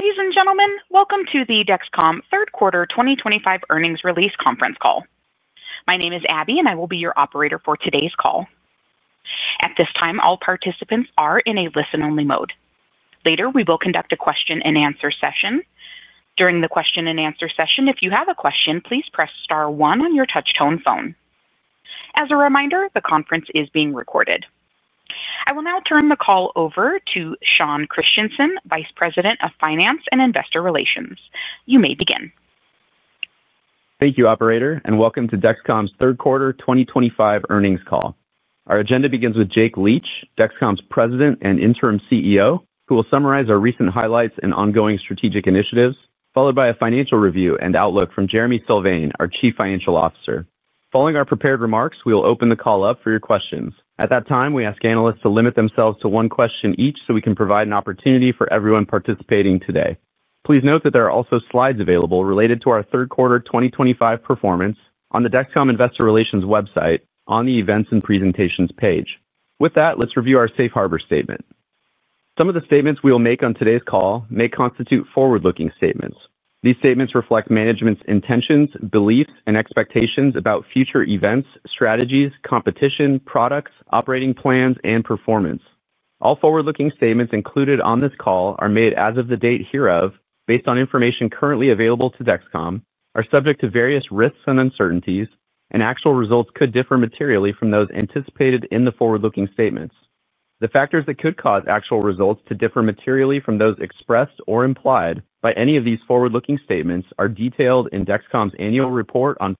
Ladies and gentlemen, welcome to the Dexcom third quarter 2025 earnings release conference call. My name is Abby, and I will be your operator for today's call. At this time, all participants are in a listen-only mode. Later, we will conduct a question-and-answer session. During the question-and-answer session, if you have a question, please press star one on your Touchtone phone. As a reminder, the conference is being recorded. I will now turn the call over to Sean Christensen, Vice President of Finance and Investor Relations. You may begin. Thank you, Operator, and welcome to Dexcom's third quarter 2025 earnings call. Our agenda begins with Jake Leach, Dexcom's President and Interim CEO, who will summarize our recent highlights and ongoing strategic initiatives, followed by a financial review and outlook from Jereme Sylvain, our Chief Financial Officer. Following our prepared remarks, we will open the call up for your questions. At that time, we ask analysts to limit themselves to one question each so we can provide an opportunity for everyone participating today. Please note that there are also slides available related to our third quarter 2025 performance on the Dexcom Investor Relations website on the Events and Presentations page. With that, let's review our Safe Harbor statement. Some of the statements we will make on today's call may constitute forward-looking statements. These statements reflect management's intentions, beliefs, and expectations about future events, strategies, competition, products, operating plans, and performance. All forward-looking statements included on this call are made as of the date hereof based on information currently available to Dexcom, are subject to various risks and uncertainties, and actual results could differ materially from those anticipated in the forward-looking statements. The factors that could cause actual results to differ materially from those expressed or implied by any of these forward-looking statements are detailed in Dexcom's annual report on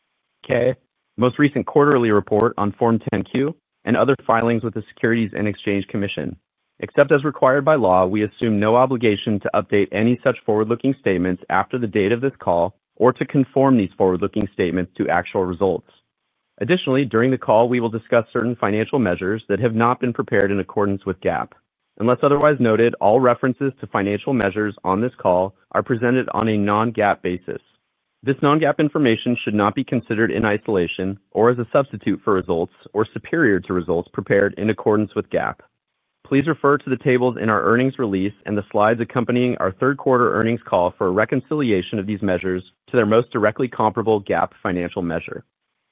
Form 10-K, most recent quarterly report on Form 10-Q, and other filings with the Securities and Exchange Commission. Except as required by law, we assume no obligation to update any such forward-looking statements after the date of this call or to conform these forward-looking statements to actual results. Additionally, during the call, we will discuss certain financial measures that have not been prepared in accordance with GAAP. Unless otherwise noted, all references to financial measures on this call are presented on a non-GAAP basis. This non-GAAP information should not be considered in isolation or as a substitute for results or superior to results prepared in accordance with GAAP. Please refer to the tables in our earnings release and the slides accompanying our third quarter earnings call for a reconciliation of these measures to their most directly comparable GAAP financial measure.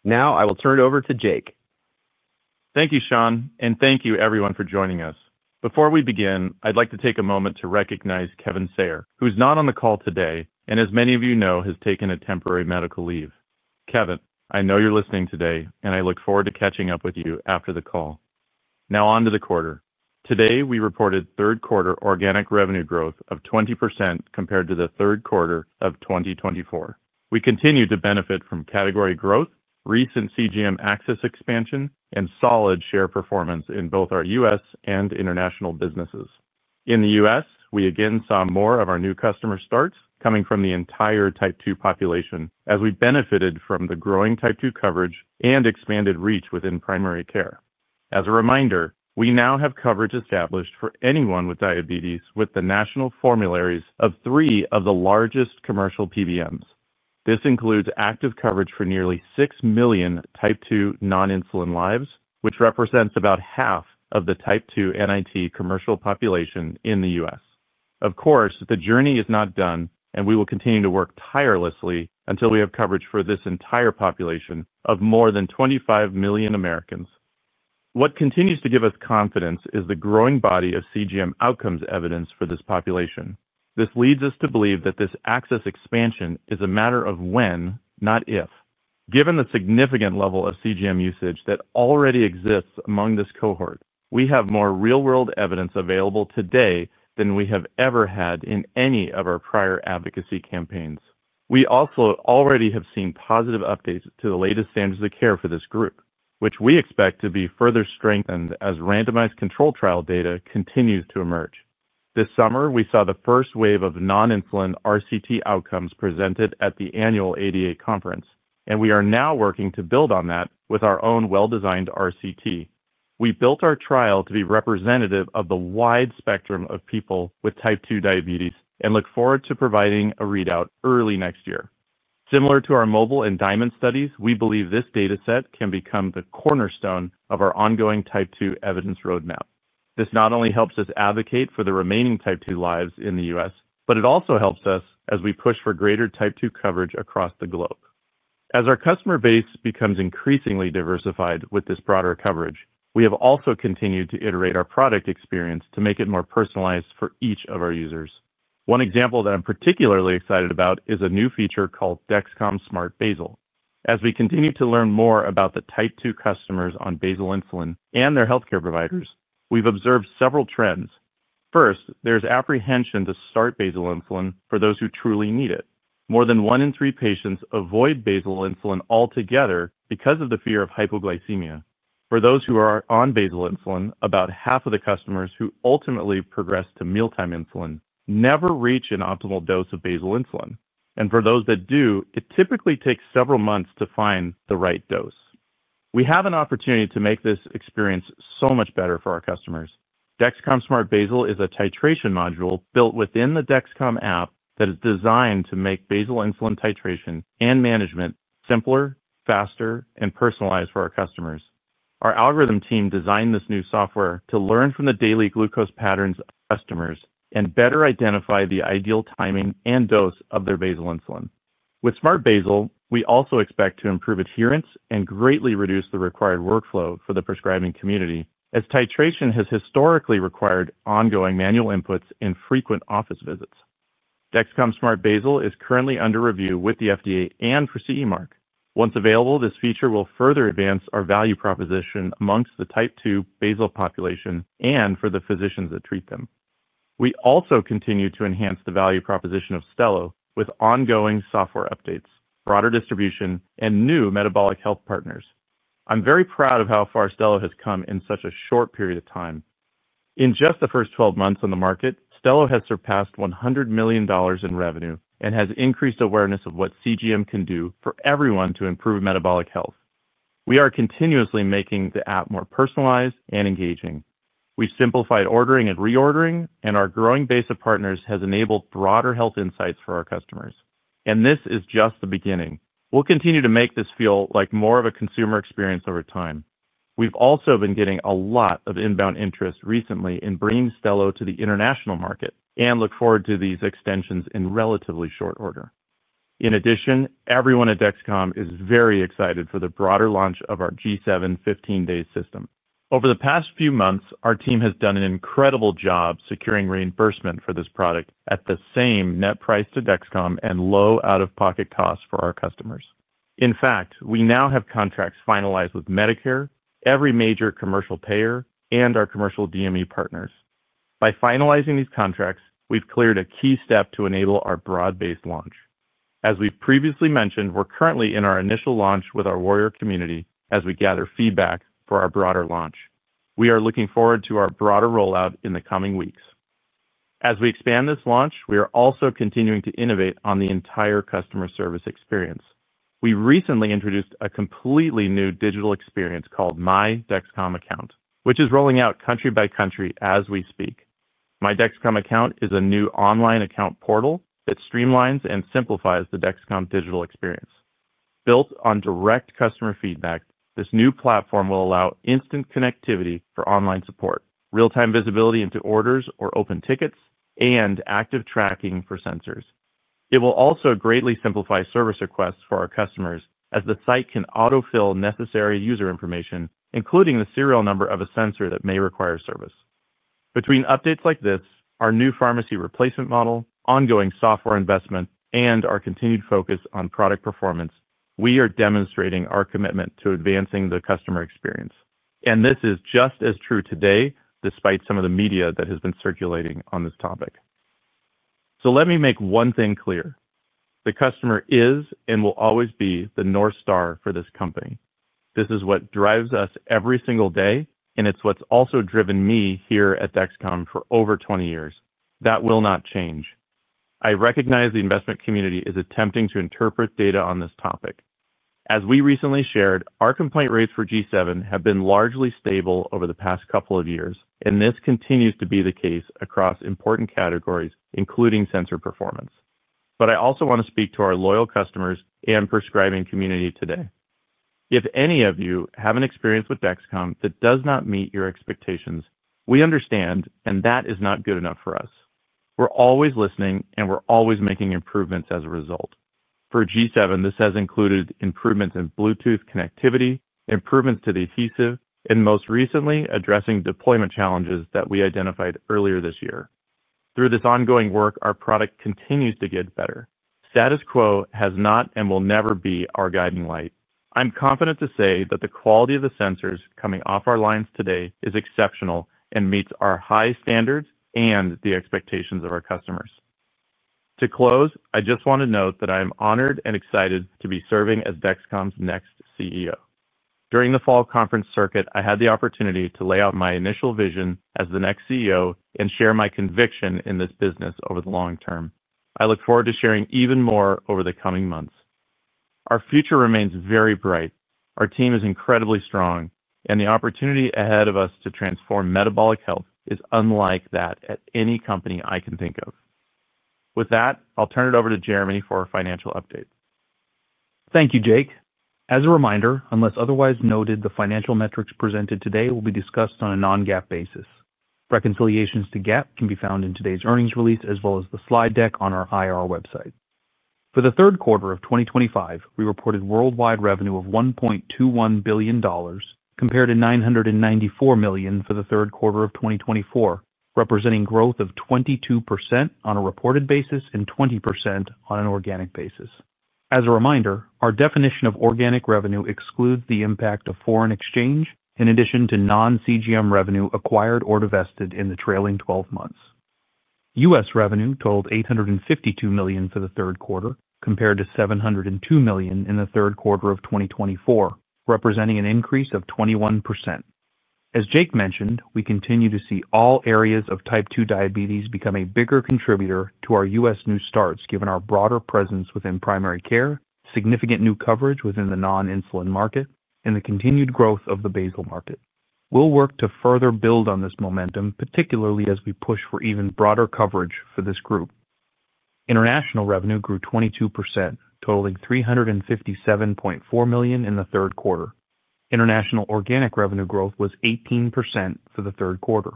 Now, I will turn it over to Jake. Thank you, Sean, and thank you, everyone, for joining us. Before we begin, I'd like to take a moment to recognize Kevin Sayer, who's not on the call today and, as many of you know, has taken a temporary medical leave. Kevin, I know you're listening today, and I look forward to catching up with you after the call. Now, on to the quarter. Today, we reported third quarter organic revenue growth of 20% compared to the third quarter of 2024. We continue to benefit from category growth, recent CGM access expansion, and solid share performance in both our U.S. and international businesses. In the U.S., we again saw more of our new customer starts coming from the entire Type 2 population as we benefited from the growing Type 2 coverage and expanded reach within primary care. As a reminder, we now have coverage established for anyone with diabetes with the national formularies of three of the largest commercial pharmacy benefit managers. This includes active coverage for nearly 6 million Type 2 non-insulin lives, which represents about half of the Type 2 NIT commercial population in the U.S. Of course, the journey is not done, and we will continue to work tirelessly until we have coverage for this entire population of more than 25 million Americans. What continues to give us confidence is the growing body of CGM outcomes evidence for this population. This leads us to believe that this access expansion is a matter of when, not if. Given the significant level of CGM usage that already exists among this cohort, we have more real-world evidence available today than we have ever had in any of our prior advocacy campaigns. We also already have seen positive updates to the latest standards of care for this group, which we expect to be further strengthened as randomized control trial data continues to emerge. This summer, we saw the first wave of non-insulin RCT outcomes presented at the annual ADA Conference, and we are now working to build on that with our own well-designed RCT. We built our trial to be representative of the wide spectrum of people with Type 2 diabetes and look forward to providing a readout early next year. Similar to our mobile and diamond studies, we believe this data set can become the cornerstone of our ongoing Type 2 evidence roadmap. This not only helps us advocate for the remaining Type 2 lives in the U.S., but it also helps us as we push for greater Type 2 coverage across the globe. As our customer base becomes increasingly diversified with this broader coverage, we have also continued to iterate our product experience to make it more personalized for each of our users. One example that I'm particularly excited about is a new feature called Dexcom Smart Basal. As we continue to learn more about the Type 2 customers on basal insulin and their healthcare providers, we've observed several trends. First, there's apprehension to start basal insulin for those who truly need it. More than one in three patients avoid basal insulin altogether because of the fear of hypoglycemia. For those who are on basal insulin, about half of the customers who ultimately progress to mealtime insulin never reach an optimal dose of basal insulin. For those that do, it typically takes several months to find the right dose. We have an opportunity to make this experience so much better for our customers. Dexcom Smart Basal is a titration module built within the Dexcom app that is designed to make basal insulin titration and management simpler, faster, and personalized for our customers. Our algorithm team designed this new software to learn from the daily glucose patterns of customers and better identify the ideal timing and dose of their basal insulin. With Smart Basal, we also expect to improve adherence and greatly reduce the required workflow for the prescribing community, as titration has historically required ongoing manual inputs and frequent office visits. Dexcom Smart Basal is currently under review with the FDA and for CE Mark. Once available, this feature will further advance our value proposition amongst the Type 2 basal population and for the physicians that treat them. We also continue to enhance the value proposition of Stelo with ongoing software updates, broader distribution, and new metabolic health partners. I'm very proud of how far Stelo has come in such a short period of time. In just the first 12 months on the market, Stelo has surpassed $100 million in revenue and has increased awareness of what CGM can do for everyone to improve metabolic health. We are continuously making the app more personalized and engaging. We've simplified ordering and reordering, and our growing base of partners has enabled broader health insights for our customers. This is just the beginning. We'll continue to make this feel like more of a consumer experience over time. We've also been getting a lot of inbound interest recently in bringing Stelo to the international market and look forward to these extensions in relatively short order. In addition, everyone at Dexcom is very excited for the broader launch of our G7 15 Day system. Over the past few months, our team has done an incredible job securing reimbursement for this product at the same net price to Dexcom and low out-of-pocket costs for our customers. In fact, we now have contracts finalized with Medicare, every major commercial payer, and our commercial DME partners. By finalizing these contracts, we've cleared a key step to enable our broad-based launch. As we've previously mentioned, we're currently in our initial launch with our warrior community as we gather feedback for our broader launch. We are looking forward to our broader rollout in the coming weeks. As we expand this launch, we are also continuing to innovate on the entire customer service experience. We recently introduced a completely new digital experience called My Dexcom Account, which is rolling out country by country as we speak. My Dexcom Account is a new online account portal that streamlines and simplifies the Dexcom digital experience. Built on direct customer feedback, this new platform will allow instant connectivity for online support, real-time visibility into orders or open tickets, and active tracking for sensors. It will also greatly simplify service requests for our customers as the site can autofill necessary user information, including the serial number of a sensor that may require service. Between updates like this, our new pharmacy replacement model, ongoing software investment, and our continued focus on product performance, we are demonstrating our commitment to advancing the customer experience. This is just as true today, despite some of the media that has been circulating on this topic. Let me make one thing clear. The customer is and will always be the North Star for this company. This is what drives us every single day, and it's what's also driven me here at Dexcom for over 20 years. That will not change. I recognize the investment community is attempting to interpret data on this topic. As we recently shared, our complaint rates for G7 have been largely stable over the past couple of years, and this continues to be the case across important categories, including sensor performance. I also want to speak to our loyal customers and prescribing community today. If any of you have an experience with Dexcom that does not meet your expectations, we understand, and that is not good enough for us. We're always listening, and we're always making improvements as a result. For G7, this has included improvements in Bluetooth connectivity, improvements to the adhesive, and most recently, addressing deployment challenges that we identified earlier this year. Through this ongoing work, our product continues to get better. Status quo has not and will never be our guiding light. I'm confident to say that the quality of the sensors coming off our lines today is exceptional and meets our high standards and the expectations of our customers. To close, I just want to note that I am honored and excited to be serving as Dexcom's next CEO. During the fall conference circuit, I had the opportunity to lay out my initial vision as the next CEO and share my conviction in this business over the long term. I look forward to sharing even more over the coming months. Our future remains very bright. Our team is incredibly strong, and the opportunity ahead of us to transform metabolic health is unlike that at any company I can think of. With that, I'll turn it over to Jereme for a financial update. Thank you, Jake. As a reminder, unless otherwise noted, the financial metrics presented today will be discussed on a non-GAAP basis. Reconciliations to GAAP can be found in today's earnings release as well as the slide deck on our IR website. For the third quarter of 2025, we reported worldwide revenue of $1.21 billion, compared to $994 million for the third quarter of 2024, representing growth of 22% on a reported basis and 20% on an organic basis. As a reminder, our definition of organic revenue excludes the impact of foreign exchange in addition to non-CGM revenue acquired or divested in the trailing 12 months. U.S. revenue totaled $852 million for the third quarter, compared to $702 million in the third quarter of 2024, representing an increase of 21%. As Jake mentioned, we continue to see all areas of Type 2 diabetes become a bigger contributor to our U.S. new starts given our broader presence within primary care, significant new coverage within the non-insulin market, and the continued growth of the basal market. We will work to further build on this momentum, particularly as we push for even broader coverage for this group. International revenue grew 22%, totaling $357.4 million in the third quarter. International organic revenue growth was 18% for the third quarter.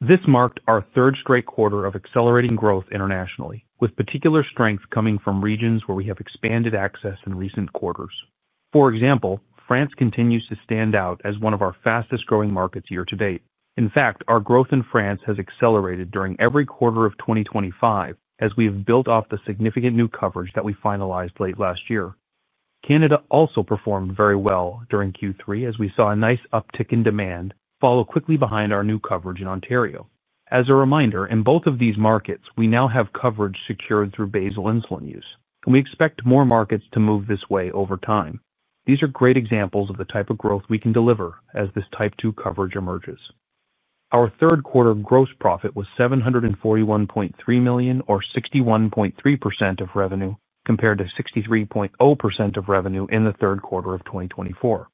This marked our third straight quarter of accelerating growth internationally, with particular strength coming from regions where we have expanded access in recent quarters. For example, France continues to stand out as one of our fastest-growing markets year to date. In fact, our growth in France has accelerated during every quarter of 2025 as we have built off the significant new coverage that we finalized late last year. Canada also performed very well during Q3 as we saw a nice uptick in demand follow quickly behind our new coverage in Ontario. As a reminder, in both of these markets, we now have coverage secured through basal insulin use, and we expect more markets to move this way over time. These are great examples of the type of growth we can deliver as this Type 2 coverage emerges. Our third quarter gross profit was $741.3 million, or 61.3% of revenue, compared to 63.0% of revenue in the third quarter of 2024.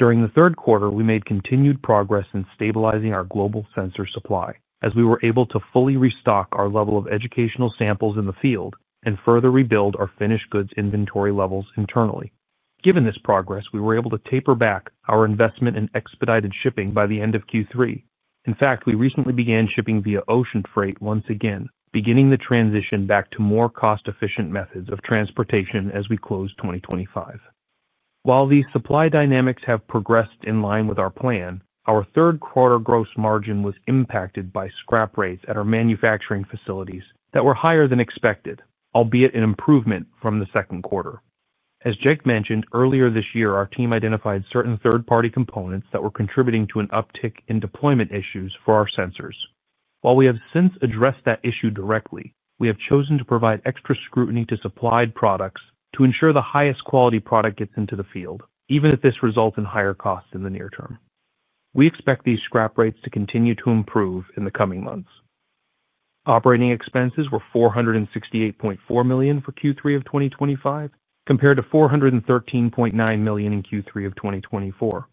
During the third quarter, we made continued progress in stabilizing our global sensor supply as we were able to fully restock our level of educational samples in the field and further rebuild our finished goods inventory levels internally. Given this progress, we were able to taper back our investment in expedited shipping by the end of Q3. In fact, we recently began shipping via ocean freight once again, beginning the transition back to more cost-efficient methods of transportation as we close 2025. While these supply dynamics have progressed in line with our plan, our third quarter gross margin was impacted by scrap rates at our manufacturing facilities that were higher than expected, albeit an improvement from the second quarter. As Jake mentioned, earlier this year, our team identified certain third-party components that were contributing to an uptick in deployment issues for our sensors. While we have since addressed that issue directly, we have chosen to provide extra scrutiny to supplied products to ensure the highest quality product gets into the field, even if this results in higher costs in the near term. We expect these scrap rates to continue to improve in the coming months. Operating expenses were $468.4 million for Q3 of 2025, compared to $413.9 million in Q3 of 2024.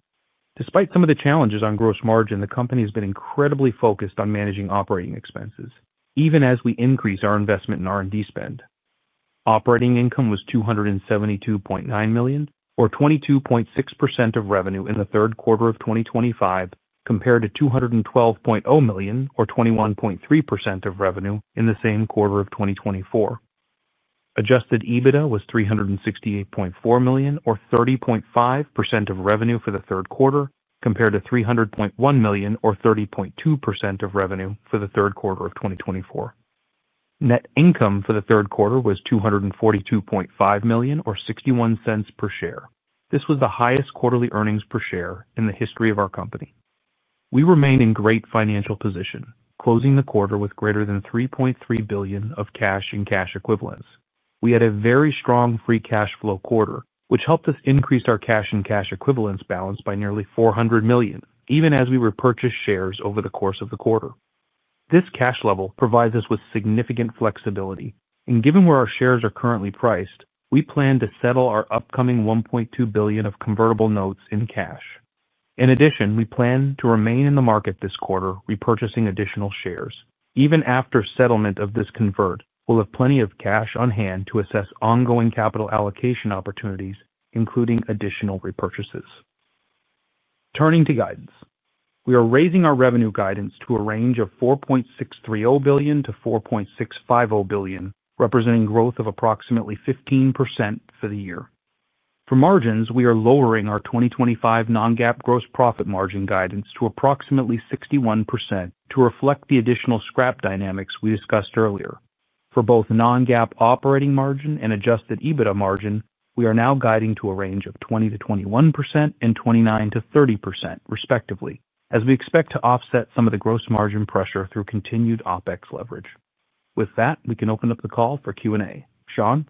Despite some of the challenges on gross margin, the company has been incredibly focused on managing operating expenses, even as we increase our investment in R&D spend. Operating income was $272.9 million, or 22.6% of revenue in the third quarter of 2025, compared to $212.0 million, or 21.3% of revenue in the same quarter of 2024. Adjusted EBITDA was $368.4 million, or 30.5% of revenue for the third quarter, compared to $300.1 million, or 30.2% of revenue for the third quarter of 2024. Net income for the third quarter was $242.5 million, or $0.61 per share. This was the highest quarterly earnings per share in the history of our company. We remained in great financial position, closing the quarter with greater than $3.3 billion of cash and cash equivalents. We had a very strong free cash flow quarter, which helped us increase our cash and cash equivalents balance by nearly $400 million, even as we repurchased shares over the course of the quarter. This cash level provides us with significant flexibility, and given where our shares are currently priced, we plan to settle our upcoming $1.2 billion of convertible notes in cash. In addition, we plan to remain in the market this quarter, repurchasing additional shares. Even after settlement of this convert, we'll have plenty of cash on hand to assess ongoing capital allocation opportunities, including additional repurchases. Turning to guidance, we are raising our revenue guidance to a range of $4.630 billion-$4.650 billion, representing growth of approximately 15% for the year. For margins, we are lowering our 2025 non-GAAP gross profit margin guidance to approximately 61% to reflect the additional scrap dynamics we discussed earlier. For both non-GAAP operating margin and adjusted EBITDA margin, we are now guiding to a range of 20%-21% and 29%-30%, respectively, as we expect to offset some of the gross margin pressure through continued OPEX leverage. With that, we can open up the call for Q&A. Sean?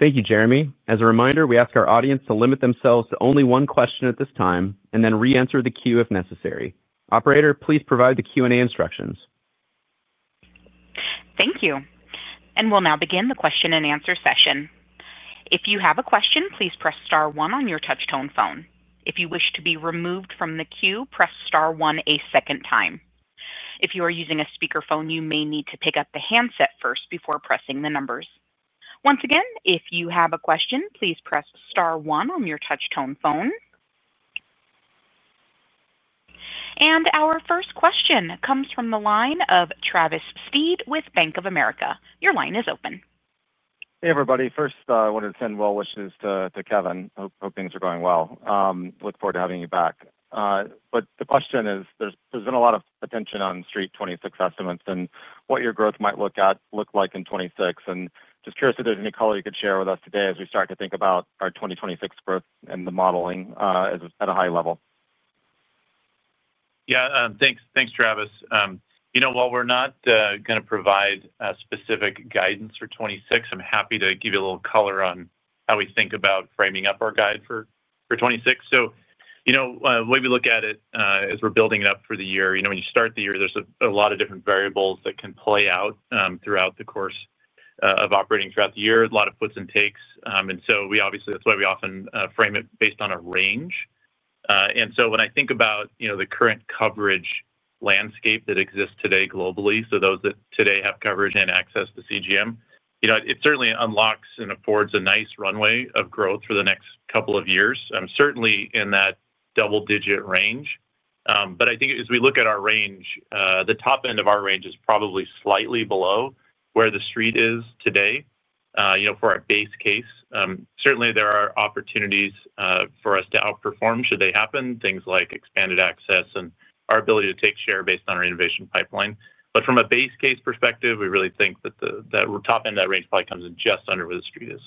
Thank you, Jereme. As a reminder, we ask our audience to limit themselves to only one question at this time and then re-enter the queue if necessary. Operator, please provide the Q&A instructions. Thank you. We'll now begin the question-and-answer session. If you have a question, please press star one on your Touchtone phone. If you wish to be removed from the queue, press star one a second time. If you are using a speakerphone, you may need to pick up the handset first before pressing the numbers. Once again, if you have a question, please press star one on your Touchtone phone. Our first question comes from the line of Travis Steed with Bank of America. Your line is open. Hey, everybody. First, I wanted to send well wishes to Kevin. Hope things are going well. I look forward to having you back. The question is, there's been a lot of attention on Street 2026 estimates and what your growth might look like in 2026. I'm just curious if there's any color you could share with us today as we start to think about our 2026 growth and the modeling at a high level. Yeah. Thanks, Travis. You know, while we're not going to provide specific guidance for 2026, I'm happy to give you a little color on how we think about framing up our guide for 2026. The way we look at it as we're building it up for the year, when you start the year, there's a lot of different variables that can play out throughout the course of operating throughout the year, a lot of puts and takes. We obviously, that's why we often frame it based on a range. When I think about the current coverage landscape that exists today globally, those that today have coverage and access to CGM, it certainly unlocks and affords a nice runway of growth for the next couple of years, certainly in that double-digit range. I think as we look at our range, the top end of our range is probably slightly below where the Street is today for our base case. Certainly, there are opportunities for us to outperform should they happen, things like expanded access and our ability to take share based on our innovation pipeline. From a base case perspective, we really think that the top end of that range probably comes in just under where the Street is.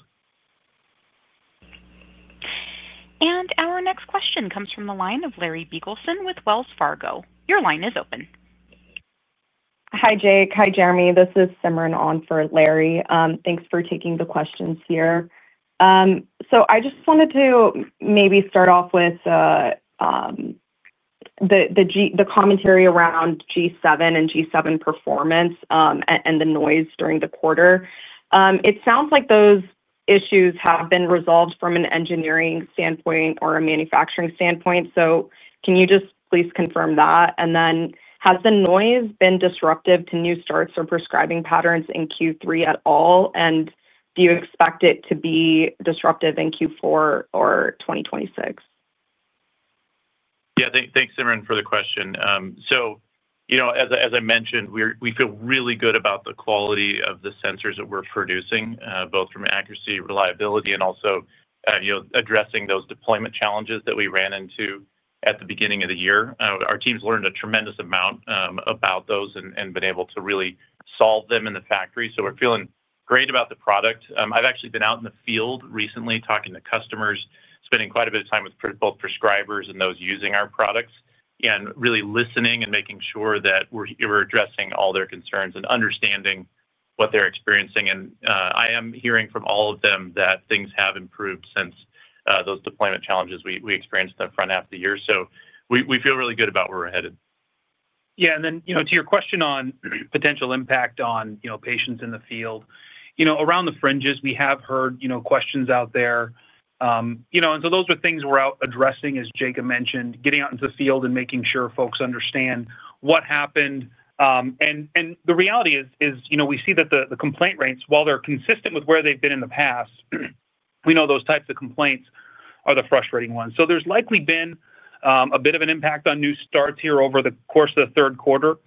Our next question comes from the line of Larry Biegelsen with Wells Fargo. Your line is open. Hi, Jake. Hi, Jereme. This is Simran on for Larry. Thanks for taking the questions here. I just wanted to maybe start off with the commentary around G7 and G7 performance and the noise during the quarter. It sounds like those issues have been resolved from an engineering standpoint or a manufacturing standpoint. Can you just please confirm that? Has the noise been disruptive to new starts or prescribing patterns in Q3 at all? Do you expect it to be disruptive in Q4 or 2026? Yeah. Thanks, Simran, for the question. As I mentioned, we feel really good about the quality of the sensors that we're producing, both from accuracy, reliability, and also addressing those deployment challenges that we ran into at the beginning of the year. Our teams learned a tremendous amount about those and have been able to really solve them in the factory. We're feeling great about the product. I've actually been out in the field recently talking to customers, spending quite a bit of time with both prescribers and those using our products, really listening and making sure that we're addressing all their concerns and understanding what they're experiencing. I am hearing from all of them that things have improved since those deployment challenges we experienced in the front half of the year. We feel really good about where we're headed. Yeah. To your question on potential impact on patients in the field, around the fringes, we have heard questions out there. Those are things we're out addressing, as Jake mentioned, getting out into the field and making sure folks understand what happened. The reality is, we see that the complaint rates, while they're consistent with where they've been in the past. We know those types of complaints are the frustrating ones. There's likely been a bit of an impact on new starts here over the course of the third quarter.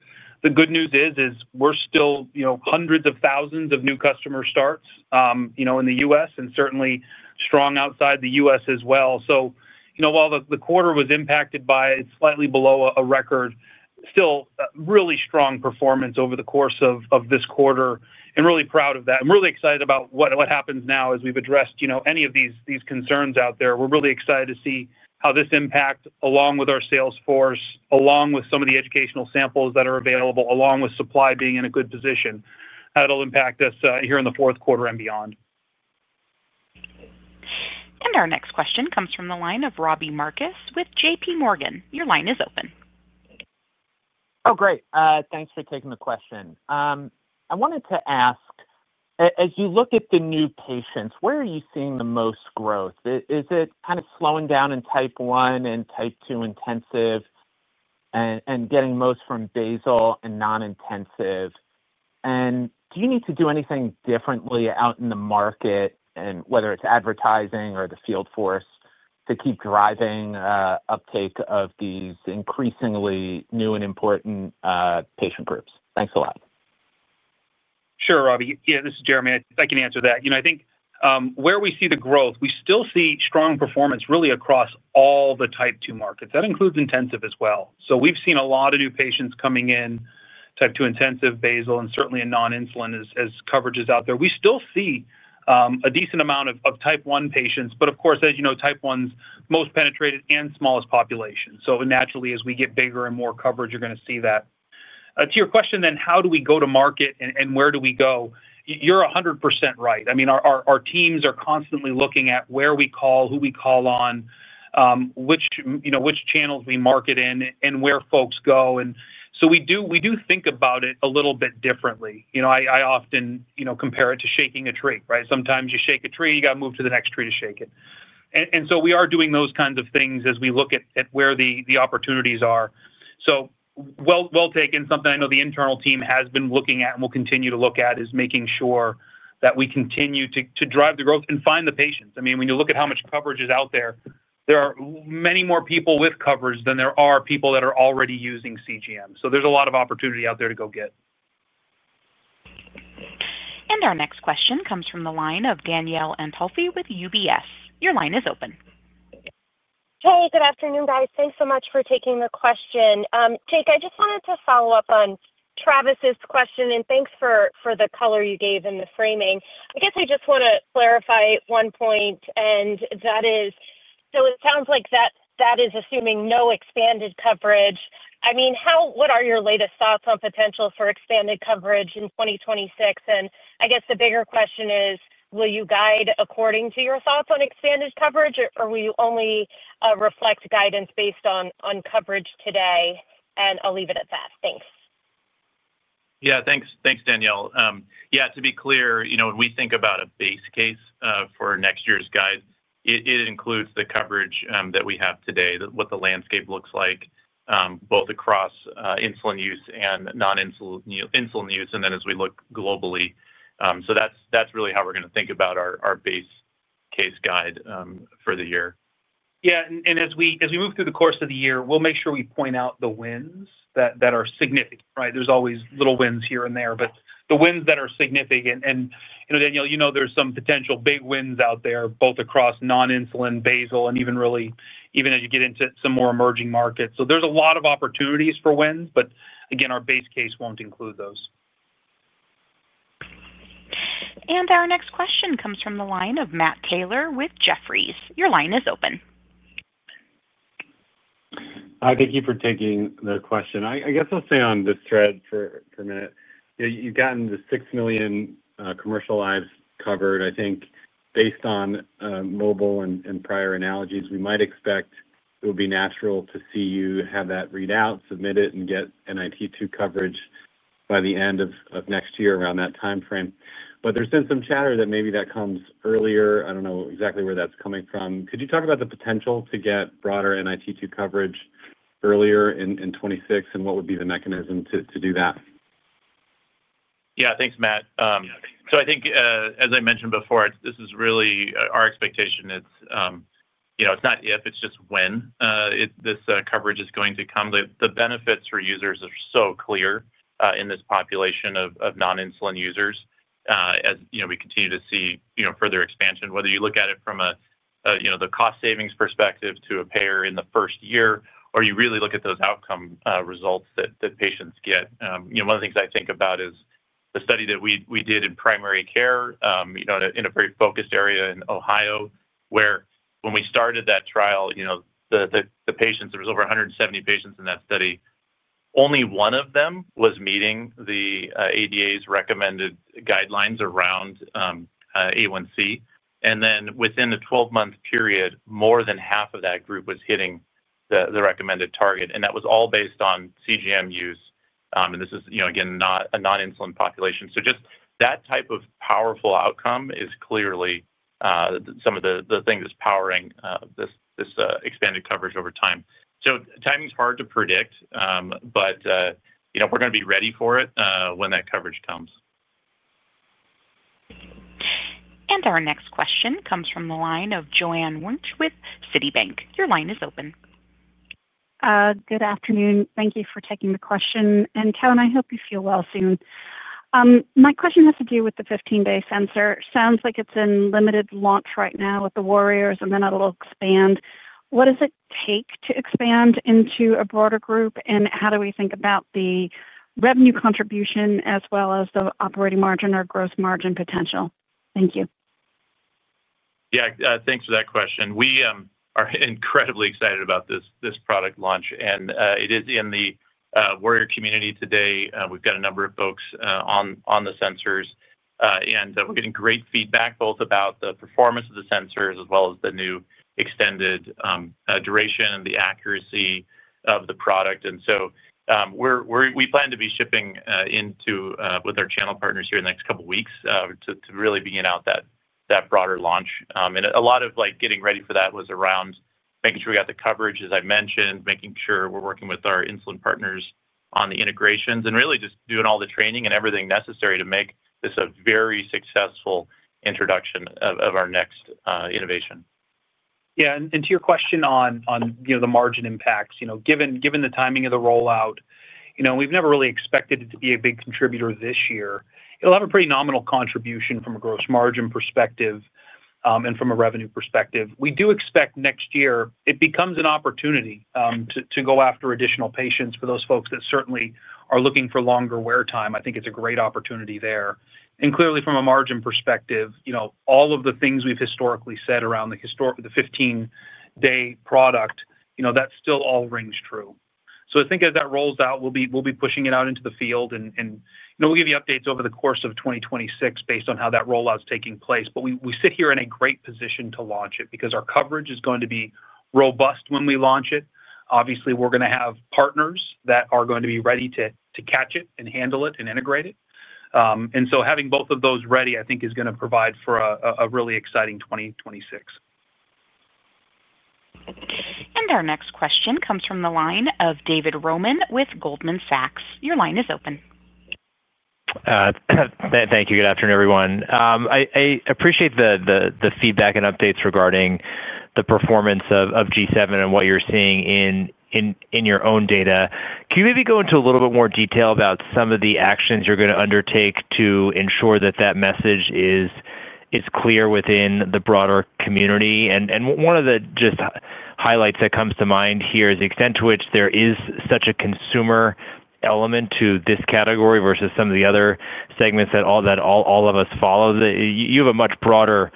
The good news is, we're still hundreds of thousands of new customer starts in the U.S. and certainly strong outside the U.S. as well. While the quarter was impacted by it's slightly below a record, still really strong performance over the course of this quarter. Really proud of that. I'm really excited about what happens now as we've addressed any of these concerns out there. We're really excited to see how this impact, along with our sales force, along with some of the educational samples that are available, along with supply being in a good position, how it'll impact us here in the fourth quarter and beyond. Our next question comes from the line of Robbie Marcus with JPMorgan. Your line is open. Oh, great. Thanks for taking the question. I wanted to ask, as you look at the new patients, where are you seeing the most growth? Is it kind of slowing down in Type 1 and Type 2 intensive, and getting most from basal and non-intensive? Do you need to do anything differently out in the market, whether it's advertising or the field force, to keep driving uptake of these increasingly new and important patient groups? Thanks a lot. Sure, Robbie. Yeah, this is Jereme. I can answer that. I think where we see the growth, we still see strong performance really across all the Type 2 markets. That includes intensive as well. We've seen a lot of new patients coming in, Type 2 intensive, basal, and certainly a non-insulin as coverage is out there. We still see a decent amount of Type 1 patients, but of course, as you know, Type 1 is most penetrated and smallest population. Naturally, as we get bigger and more coverage, you're going to see that. To your question then, how do we go to market and where do we go? You're 100% right. I mean, our teams are constantly looking at where we call, who we call on, which channels we market in, and where folks go. We do think about it a little bit differently. I often compare it to shaking a tree, right? Sometimes you shake a tree, you got to move to the next tree to shake it. We are doing those kinds of things as we look at where the opportunities are. Well taken. Something I know the internal team has been looking at and will continue to look at is making sure that we continue to drive the growth and find the patients. I mean, when you look at how much coverage is out there, there are many more people with coverage than there are people that are already using CGM. There's a lot of opportunity out there to go get. Our next question comes from the line of Danielle Antalffy with UBS. Your line is open. Hey, good afternoon, guys. Thanks so much for taking the question. Jake, I just wanted to follow up on Travis's question, and thanks for the color you gave and the framing. I guess I just want to clarify one point, that is, it sounds like that is assuming no expanded coverage. What are your latest thoughts on potential for expanded coverage in 2026? I guess the bigger question is, will you guide according to your thoughts on expanded coverage, or will you only reflect guidance based on coverage today? I'll leave it at that. Thanks. Yeah. Thanks, Danielle. To be clear, when we think about a base case for next year's guide, it includes the coverage that we have today, what the landscape looks like, both across insulin use and non-insulin use, and as we look globally. That's really how we're going to think about our base case guide for the year. Yeah. As we move through the course of the year, we'll make sure we point out the wins that are significant, right? There's always little wins here and there, but the wins that are significant. You know, Danielle, you know there's some potential big wins out there, both across non-insulin, basal, and even really, even as you get into some more emerging markets. There's a lot of opportunities for wins, but again, our base case won't include those. Our next question comes from the line of Matt Taylor with Jefferies. Your line is open. Hi, thank you for taking the question. I guess I'll stay on this thread for a minute. You've gotten the 6 million commercial lives covered. I think based on mobile and prior analogies, we might expect it would be natural to see you have that readout, submit it, and get NIT2 coverage by the end of next year, around that timeframe. There's been some chatter that maybe that comes earlier. I don't know exactly where that's coming from. Could you talk about the potential to get broader NIT2 coverage earlier in 2026, and what would be the mechanism to do that? Yeah. Thanks, Matt. I think, as I mentioned before, this is really our expectation. It's, you know, it's not if, it's just when. This coverage is going to come. The benefits for users are so clear in this population of non-insulin users. As we continue to see further expansion, whether you look at it from a, you know, the cost savings perspective to a payer in the first year, or you really look at those outcome results that patients get. One of the things I think about is the study that we did in primary care, in a very focused area in Ohio, where when we started that trial, the patients, there was over 170 patients in that study. Only one of them was meeting the ADA's recommended guidelines around A1C. Within a 12-month period, more than half of that group was hitting the recommended target. That was all based on CGM use. This is, again, not a non-insulin population. Just that type of powerful outcome is clearly some of the things that's powering this expanded coverage over time. Timing's hard to predict, but we're going to be ready for it when that coverage comes. Our next question comes from the line of Joanne Wuensch with Citibank. Your line is open. Good afternoon. Thank you for taking the question. Kevin, I hope you feel well soon. My question has to do with the 15 Day sensor. It sounds like it's in limited launch right now with the warriors, and then it'll expand. What does it take to expand into a broader group, and how do we think about the revenue contribution as well as the operating margin or gross margin potential? Thank you. Yeah. Thanks for that question. We are incredibly excited about this product launch, and it is in the warrior community today. We've got a number of folks on the sensors, and we're getting great feedback both about the performance of the sensors as well as the new extended duration and the accuracy of the product. We plan to be shipping with our channel partners here in the next couple of weeks to really begin that broader launch. A lot of getting ready for that was around making sure we got the coverage, as I mentioned, making sure we're working with our insulin partners on the integrations, and really just doing all the training and everything necessary to make this a very successful introduction of our next innovation. Yeah. To your question on the margin impacts, given the timing of the rollout, we've never really expected it to be a big contributor this year. It'll have a pretty nominal contribution from a gross margin perspective and from a revenue perspective. We do expect next year it becomes an opportunity to go after additional patients for those folks that certainly are looking for longer wear time. I think it's a great opportunity there. Clearly, from a margin perspective, all of the things we've historically said around the 15 Day product, that still all rings true. I think as that rolls out, we'll be pushing it out into the field, and we'll give you updates over the course of 2026 based on how that rollout is taking place. We sit here in a great position to launch it because our coverage is going to be robust when we launch it. Obviously, we're going to have partners that are going to be ready to catch it and handle it and integrate it. Having both of those ready, I think, is going to provide for a really exciting 2026. Our next question comes from the line of David Roman with Goldman Sachs. Your line is open. Thank you. Good afternoon, everyone. I appreciate the feedback and updates regarding the performance of G7 and what you're seeing in your own data. Can you maybe go into a little bit more detail about some of the actions you're going to undertake to ensure that that message is clear within the broader community? One of the just highlights that comes to mind here is the extent to which there is such a consumer element to this category versus some of the other segments that all of us follow. You have a much broader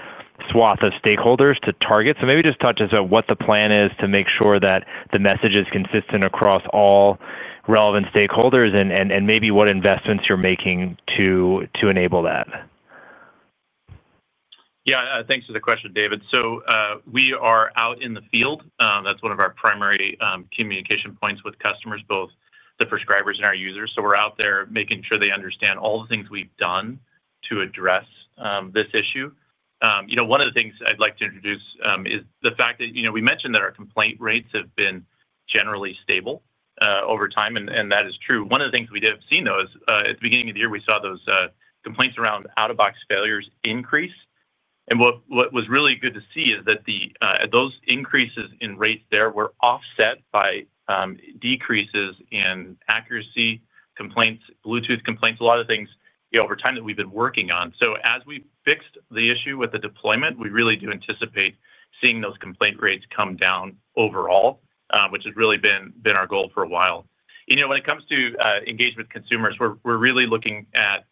swath of stakeholders to target. Maybe just touch us on what the plan is to make sure that the message is consistent across all relevant stakeholders and maybe what investments you're making to enable that. Yeah. Thanks for the question, David. We are out in the field. That's one of our primary communication points with customers, both the prescribers and our users. We're out there making sure they understand all the things we've done to address this issue. One of the things I'd like to introduce is the fact that we mentioned that our complaint rates have been generally stable over time, and that is true. One of the things we did see though is at the beginning of the year, we saw those complaints around out-of-box failures increase. What was really good to see is that those increases in rates there were offset by decreases in accuracy complaints, Bluetooth complaints, a lot of things over time that we've been working on. As we fixed the issue with the deployment, we really do anticipate seeing those complaint rates come down overall, which has really been our goal for a while. When it comes to engagement with consumers, we're really looking at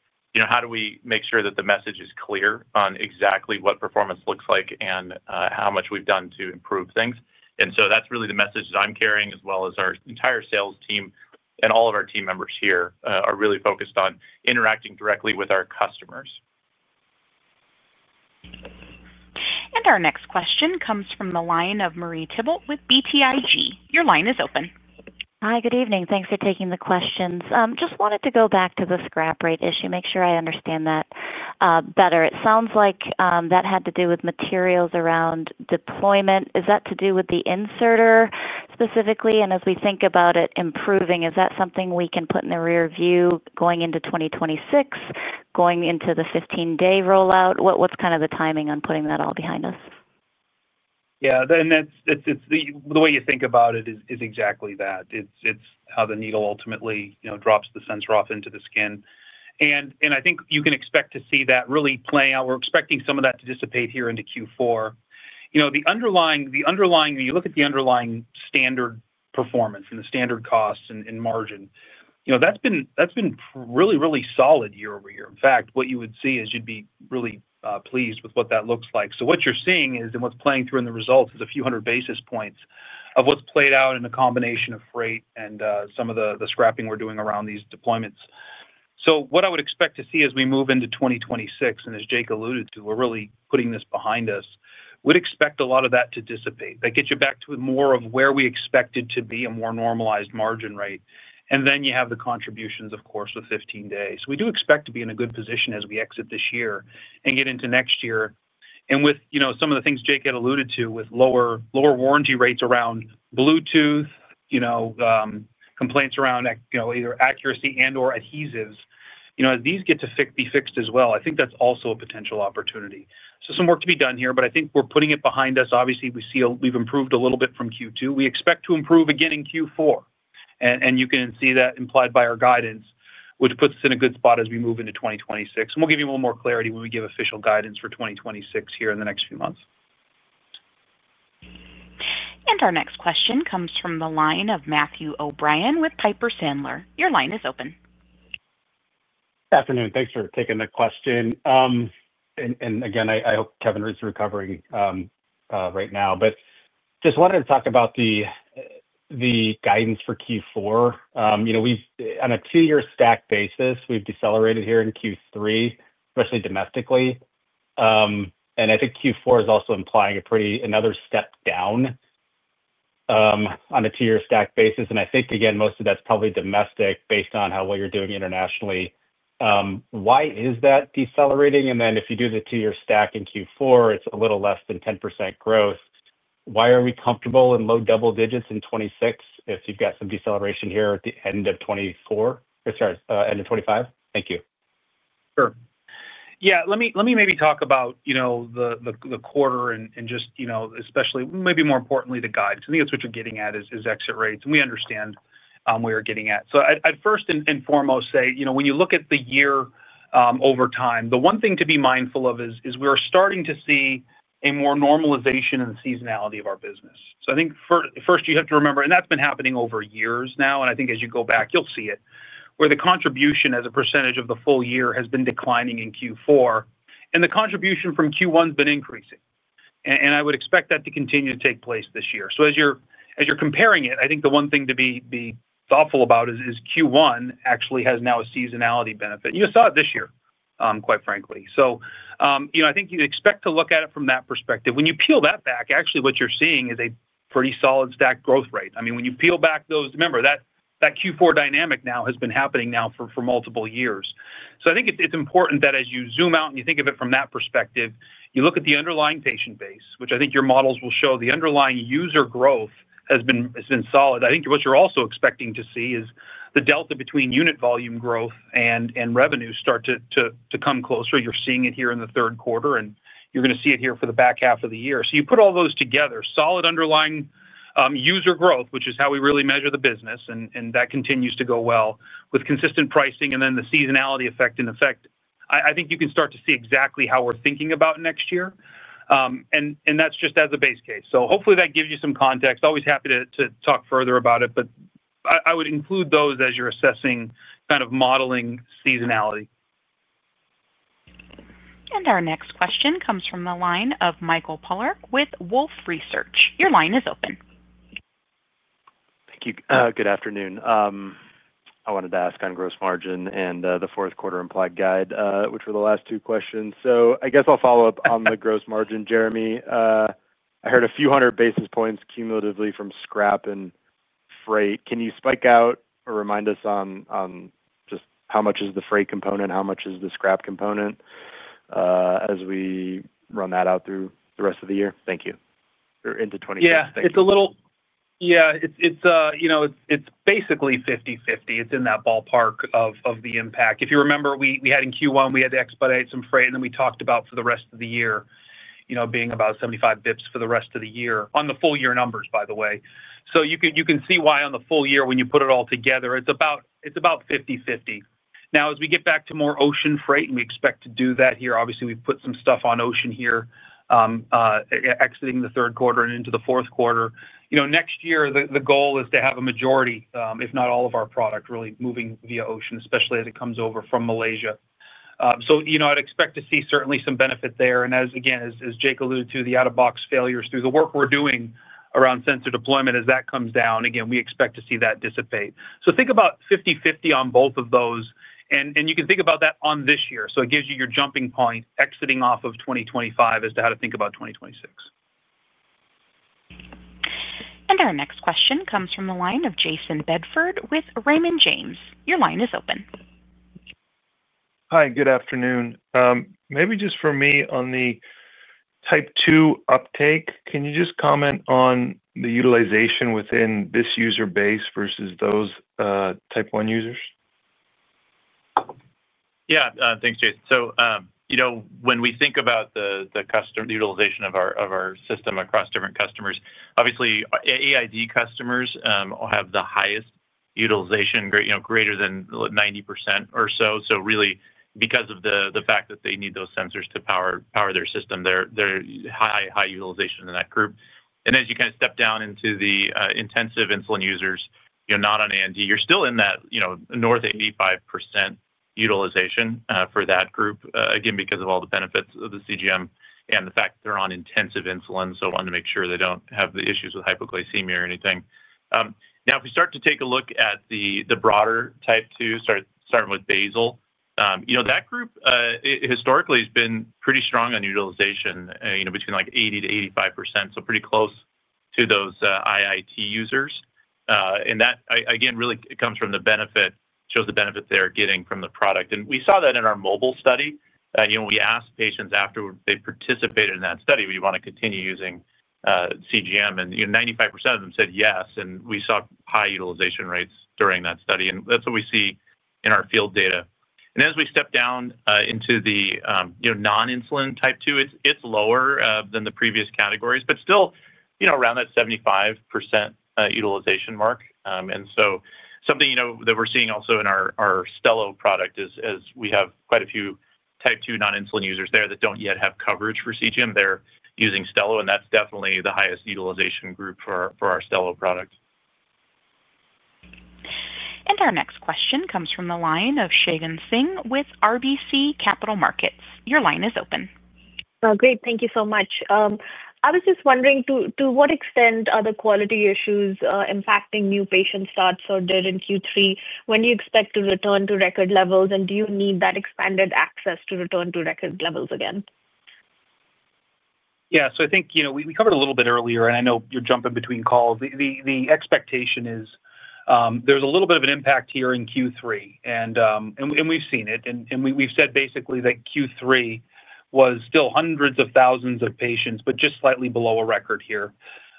how do we make sure that the message is clear on exactly what performance looks like and how much we've done to improve things. That's really the message that I'm carrying, as well as our entire sales team and all of our team members here are really focused on interacting directly with our customers. Our next question comes from the line of Marie Thibault with BTIG. Your line is open. Hi, good evening. Thanks for taking the questions. Just wanted to go back to the scrap rate issue, make sure I understand that better. It sounds like that had to do with materials around deployment. Is that to do with the inserter specifically? As we think about it improving, is that something we can put in the rearview going into 2026, going into the 15 Day rollout? What's kind of the timing on putting that all behind us? Yeah. The way you think about it is exactly that. It's how the needle ultimately, you know, drops the sensor off into the skin. I think you can expect to see that really playing out. We're expecting some of that to dissipate here into Q4. When you look at the underlying standard performance and the standard costs and margin, that's been really, really solid year over year. In fact, what you would see is you'd be really pleased with what that looks like. What you're seeing is, and what's playing through in the results, is a few hundred basis points of what's played out in the combination of freight and some of the scrapping we're doing around these deployments. I would expect to see as we move into 2026, and as Jake alluded to, we're really putting this behind us, we'd expect a lot of that to dissipate. That gets you back to more of where we expected to be, a more normalized margin rate. Then you have the contributions, of course, with 15 days. We do expect to be in a good position as we exit this year and get into next year. With some of the things Jake had alluded to with lower warranty rates around Bluetooth, complaints around either accuracy and/or adhesives, as these get to be fixed as well, I think that's also a potential opportunity. Some work to be done here, but I think we're putting it behind us. Obviously, we see we've improved a little bit from Q2. We expect to improve again in Q4. You can see that implied by our guidance, which puts us in a good spot as we move into 2026. We'll give you a little more clarity when we give official guidance for 2026 here in the next few months. Our next question comes from the line of Matthew O'Brien with Piper Sandler. Your line is open. Good afternoon. Thanks for taking the question. I hope Kevin is recovering right now, but just wanted to talk about the guidance for Q4. On a two-year stack basis, we've decelerated here in Q3, especially domestically. I think Q4 is also implying another step down on a two-year stack basis. I think most of that's probably domestic based on how well you're doing internationally. Why is that decelerating? If you do the two-year stack in Q4, it's a little less than 10% growth. Why are we comfortable in low double digits in 2026 if you've got some deceleration here at the end of 2024? Sorry, end of 2025. Thank you. Sure. Let me maybe talk about the quarter and just, especially maybe more importantly, the guidance. I think that's what you're getting at is exit rates. We understand where we're getting at. I'd first and foremost say, when you look at the year over time, the one thing to be mindful of is we're starting to see a more normalization in the seasonality of our business. I think first you have to remember, and that's been happening over years now, and as you go back, you'll see it, where the contribution as a percentage of the full year has been declining in Q4, and the contribution from Q1 has been increasing. I would expect that to continue to take place this year. As you're comparing it, the one thing to be thoughtful about is Q1 actually has now a seasonality benefit. You saw it this year, quite frankly. I think you expect to look at it from that perspective. When you peel that back, actually what you're seeing is a pretty solid stack growth rate. When you peel back those, remember, that Q4 dynamic now has been happening now for multiple years. I think it's important that as you zoom out and you think of it from that perspective, you look at the underlying patient base, which I think your models will show the underlying user growth has been solid. I think what you're also expecting to see is the delta between unit volume growth and revenue start to come closer. You're seeing it here in the third quarter, and you're going to see it here for the back half of the year. You put all those together, solid underlying user growth, which is how we really measure the business, and that continues to go well with consistent pricing and then the seasonality effect. In effect, I think you can start to see exactly how we're thinking about next year. That's just as a base case. Hopefully that gives you some context. Always happy to talk further about it, but I would include those as you're assessing kind of modeling seasonality. Our next question comes from the line of Michael Polark with Wolfe Research. Your line is open. Thank you. Good afternoon. I wanted to ask on gross margin and the fourth quarter implied guide, which were the last two questions. I guess I'll follow up on the gross margin, Jereme. I heard a few hundred basis points cumulatively from scrap and freight. Can you spike out or remind us on just how much is the freight component, how much is the scrap component, as we run that out through the rest of the year? Thank you. Or into 2026. Yeah, it's basically 50/50. It's in that ballpark of the impact. If you remember, we had in Q1, we had to expedite some freight, and then we talked about for the rest of the year being about 75 basis points for the rest of the year on the full year numbers, by the way. You can see why on the full year, when you put it all together, it's about 50/50. Now, as we get back to more ocean freight, and we expect to do that here, obviously, we've put some stuff on ocean here exiting the third quarter and into the fourth quarter. Next year, the goal is to have a majority, if not all, of our product really moving via ocean, especially as it comes over from Malaysia. I'd expect to see certainly some benefit there. As Jake alluded to, the out-of-box failures through the work we're doing around sensor deployment, as that comes down, we expect to see that dissipate. Think about 50/50 on both of those, and you can think about that on this year. It gives you your jumping point exiting off of 2025 as to how to think about 2026. Our next question comes from the line of Jayson Bedford with Raymond James. Your line is open. Hi, good afternoon. Maybe just for me on the Type 2 uptake, can you just comment on the utilization within this user base versus those Type 1 users? Yeah. Thanks, Jason. When we think about the customer utilization of our system across different customers, obviously, AID customers will have the highest utilization, greater than 90% or so. Really, because of the fact that they need those sensors to power their system, they're high utilization in that group. As you kind of step down into the intensive insulin users, you're not on AID, you're still in that, you know, north 85% utilization for that group, again, because of all the benefits of the CGM and the fact that they're on intensive insulin. I want to make sure they don't have the issues with hypoglycemia or anything. If we start to take a look at the broader Type 2, starting with basal, you know, that group historically has been pretty strong on utilization, you know, between like 80%-85%, so pretty close to those IIT users. That, again, really comes from the benefit, shows the benefit they're getting from the product. We saw that in our mobile study. We asked patients after they participated in that study, do you want to continue using CGM, and 95% of them said yes. We saw high utilization rates during that study. That's what we see in our field data. As we step down into the non-insulin Type 2, it's lower than the previous categories, but still, you know, around that 75% utilization mark. Something that we're seeing also in our Stelo product is we have quite a few Type 2 non-insulin users there that don't yet have coverage for CGM. They're using Stelo, and that's definitely the highest utilization group for our Stelo product. Our next question comes from the line of Shagun Singh with RBC Capital Markets. Your line is open. Great. Thank you so much. I was just wondering to what extent are the quality issues impacting new patient starts or dead in Q3? When do you expect to return to record levels, and do you need that expanded access to return to record levels again? Yeah. I think we covered a little bit earlier, and I know you're jumping between calls. The expectation is there's a little bit of an impact here in Q3, and we've seen it. We've said basically that Q3 was still hundreds of thousands of patients, but just slightly below a record here.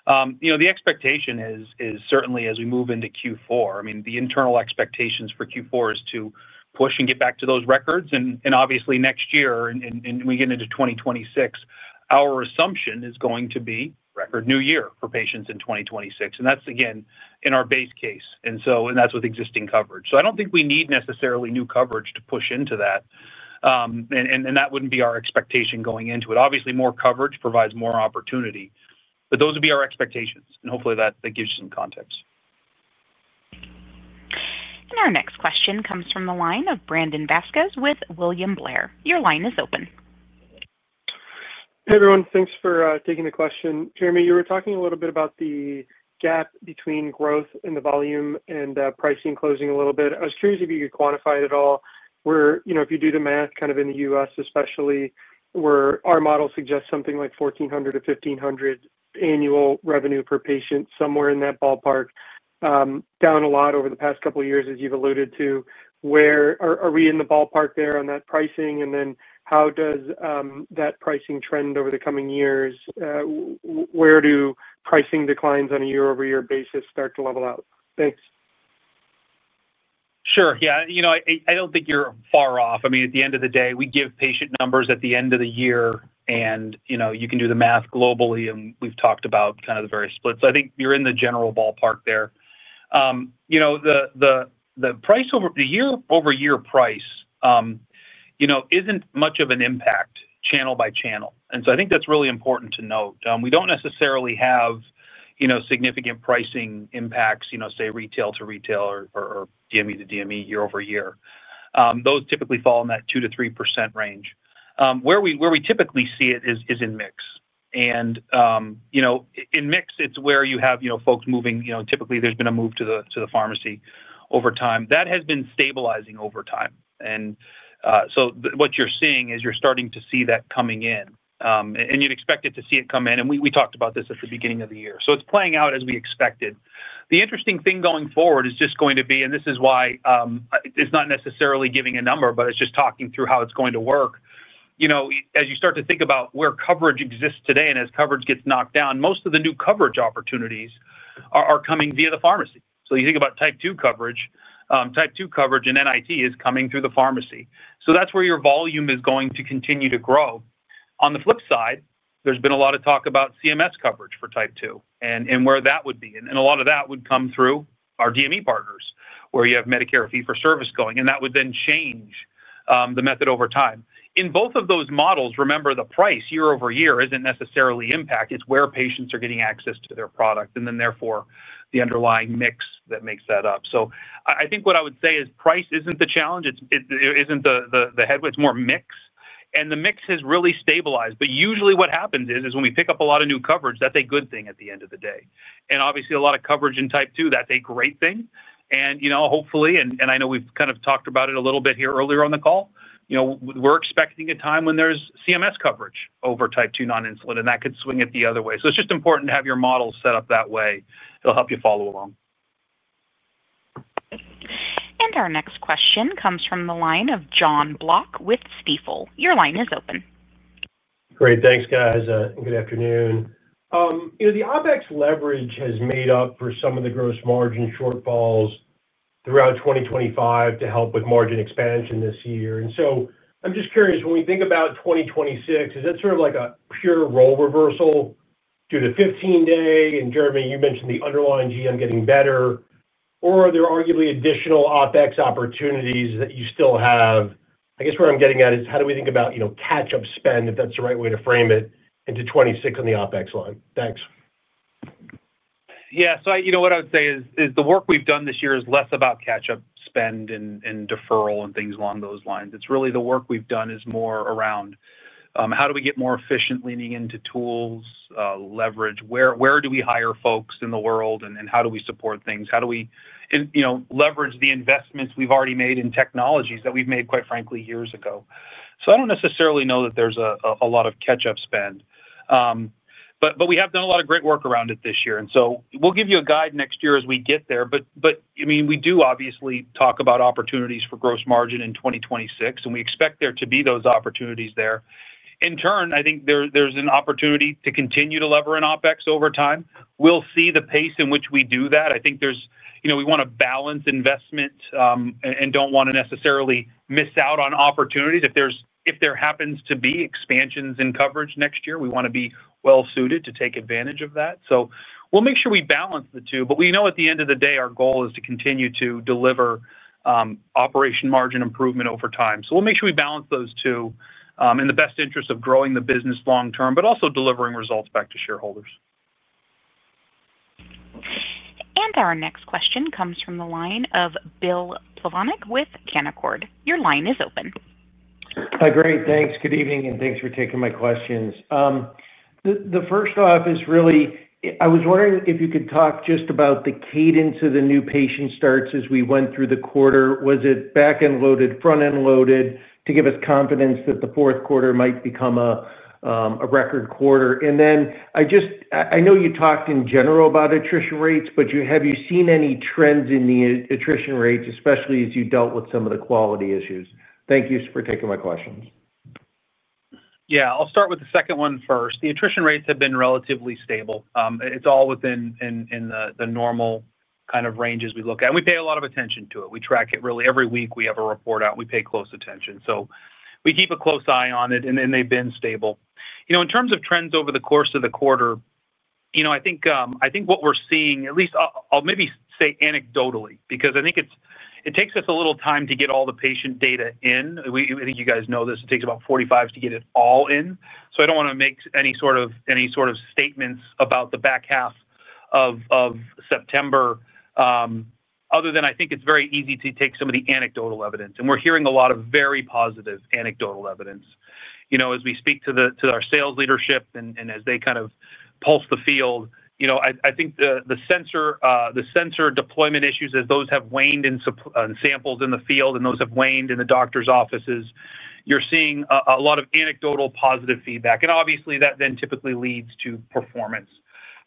The expectation is certainly as we move into Q4, I mean, the internal expectations for Q4 is to push and get back to those records. Obviously, next year, and as we get into 2026, our assumption is going to be record new year for patients in 2026. That's, again, in our base case, and that's with existing coverage. I don't think we need necessarily new coverage to push into that, and that wouldn't be our expectation going into it. Obviously, more coverage provides more opportunity. Those would be our expectations, and hopefully that gives you some context. Our next question comes from the line of Brandon Vazquez with William Blair. Your line is open. Hey everyone, thanks for taking the question. Jereme, you were talking a little bit about the gap between growth and the volume and pricing closing a little bit. I was curious if you could quantify it at all. If you do the math, kind of in the U.S. especially, where our model suggests something like $1,400-$1,500 annual revenue per patient, somewhere in that ballpark. Down a lot over the past couple of years, as you've alluded to. Where are we in the ballpark there on that pricing? How does that pricing trend over the coming years? Where do pricing declines on a year-over-year basis start to level out? Thanks. Sure. Yeah. I don't think you're far off. At the end of the day, we give patient numbers at the end of the year, and you can do the math globally, and we've talked about the various splits. I think you're in the general ballpark there. The price over the year-over-year price isn't much of an impact channel by channel, and I think that's really important to note. We don't necessarily have significant pricing impacts, say retail to retail or DME to DME year over year. Those typically fall in that 2%-3% range. Where we typically see it is in mix. In mix, it's where you have folks moving. Typically, there's been a move to the pharmacy over time. That has been stabilizing over time. What you're seeing is you're starting to see that coming in, and you'd expect to see it come in. We talked about this at the beginning of the year. It's playing out as we expected. The interesting thing going forward is just going to be, and this is why it's not necessarily giving a number, but it's just talking through how it's going to work. As you start to think about where coverage exists today and as coverage gets knocked down, most of the new coverage opportunities are coming via the pharmacy. You think about Type 2 coverage. Type 2 coverage in NIT is coming through the pharmacy, so that's where your volume is going to continue to grow. On the flip side, there's been a lot of talk about CMS coverage for Type 2 and where that would be. A lot of that would come through our DME partners, where you have Medicare Fee for Service going, and that would then change the method over time. In both of those models, remember the price year over year isn't necessarily impact. It's where patients are getting access to their product and therefore the underlying mix that makes that up. I think what I would say is price isn't the challenge. It isn't the head. It's more mix, and the mix has really stabilized. Usually what happens is when we pick up a lot of new coverage, that's a good thing at the end of the day. Obviously, a lot of coverage in Type 2, that's a great thing. Hopefully, and I know we've talked about it a little bit here earlier on the call, we're expecting a time when there's CMS coverage over Type 2 non-insulin, and that could swing it the other way. It's just important to have your model set up that way. It'll help you follow along. Our next question comes from the line of Jon Block with Stifel. Your line is open. Great. Thanks, guys. Good afternoon. You know, the OpEx leverage has made up for some of the gross margin shortfalls throughout 2025 to help with margin expansion this year. I'm just curious, when we think about 2026, is that sort of like a pure role reversal due to 15 Day? Jereme, you mentioned the underlying GM getting better. Are there arguably additional OpEx opportunities that you still have? I guess where I'm getting at is how do we think about, you know, catch-up spend, if that's the right way to frame it, into 2026 on the OpEx line? Thanks. Yeah. What I would say is the work we've done this year is less about catch-up spend and deferral and things along those lines. It's really the work we've done is more around how do we get more efficient, leaning into tools, leverage, where do we hire folks in the world and how do we support things. How do we leverage the investments we've already made in technologies that we've made, quite frankly, years ago. I don't necessarily know that there's a lot of catch-up spend, but we have done a lot of great work around it this year. We'll give you a guide next year as we get there. I mean, we do obviously talk about opportunities for gross margin in 2026, and we expect there to be those opportunities there. In turn, I think there's an opportunity to continue to lever in OpEx over time. We'll see the pace in which we do that. I think we want to balance investment and don't want to necessarily miss out on opportunities. If there happens to be expansions in coverage next year, we want to be well-suited to take advantage of that. We'll make sure we balance the two. We know at the end of the day, our goal is to continue to deliver operating margin improvement over time. We'll make sure we balance those two in the best interest of growing the business long term, but also delivering results back to shareholders. Our next question comes from the line of Bill Plovanic with Canaccord. Your line is open. Hi, great. Thanks. Good evening and thanks for taking my questions. First off, I was wondering if you could talk just about the cadence of the new patient starts as we went through the quarter. Was it back end loaded, front end loaded to give us confidence that the fourth quarter might become a record quarter? I know you talked in general about attrition rates, but have you seen any trends in the attrition rates, especially as you dealt with some of the quality issues? Thank you for taking my questions. Yeah. I'll start with the second one first. The attrition rates have been relatively stable. It's all within the normal kind of range as we look at it. We pay a lot of attention to it. We track it really every week. We have a report out. We pay close attention. We keep a close eye on it, and they've been stable. In terms of trends over the course of the quarter, I think what we're seeing, at least I'll maybe say anecdotally, because I think it takes us a little time to get all the patient data in. I think you guys know this. It takes about 45 days to get it all in. I don't want to make any sort of statements about the back half of September. Other than I think it's very easy to take some of the anecdotal evidence. We're hearing a lot of very positive anecdotal evidence. As we speak to our sales leadership and as they kind of pulse the field, I think the sensor deployment issues, as those have waned in samples in the field and those have waned in the doctor's offices, you're seeing a lot of anecdotal positive feedback. Obviously that then typically leads to performance.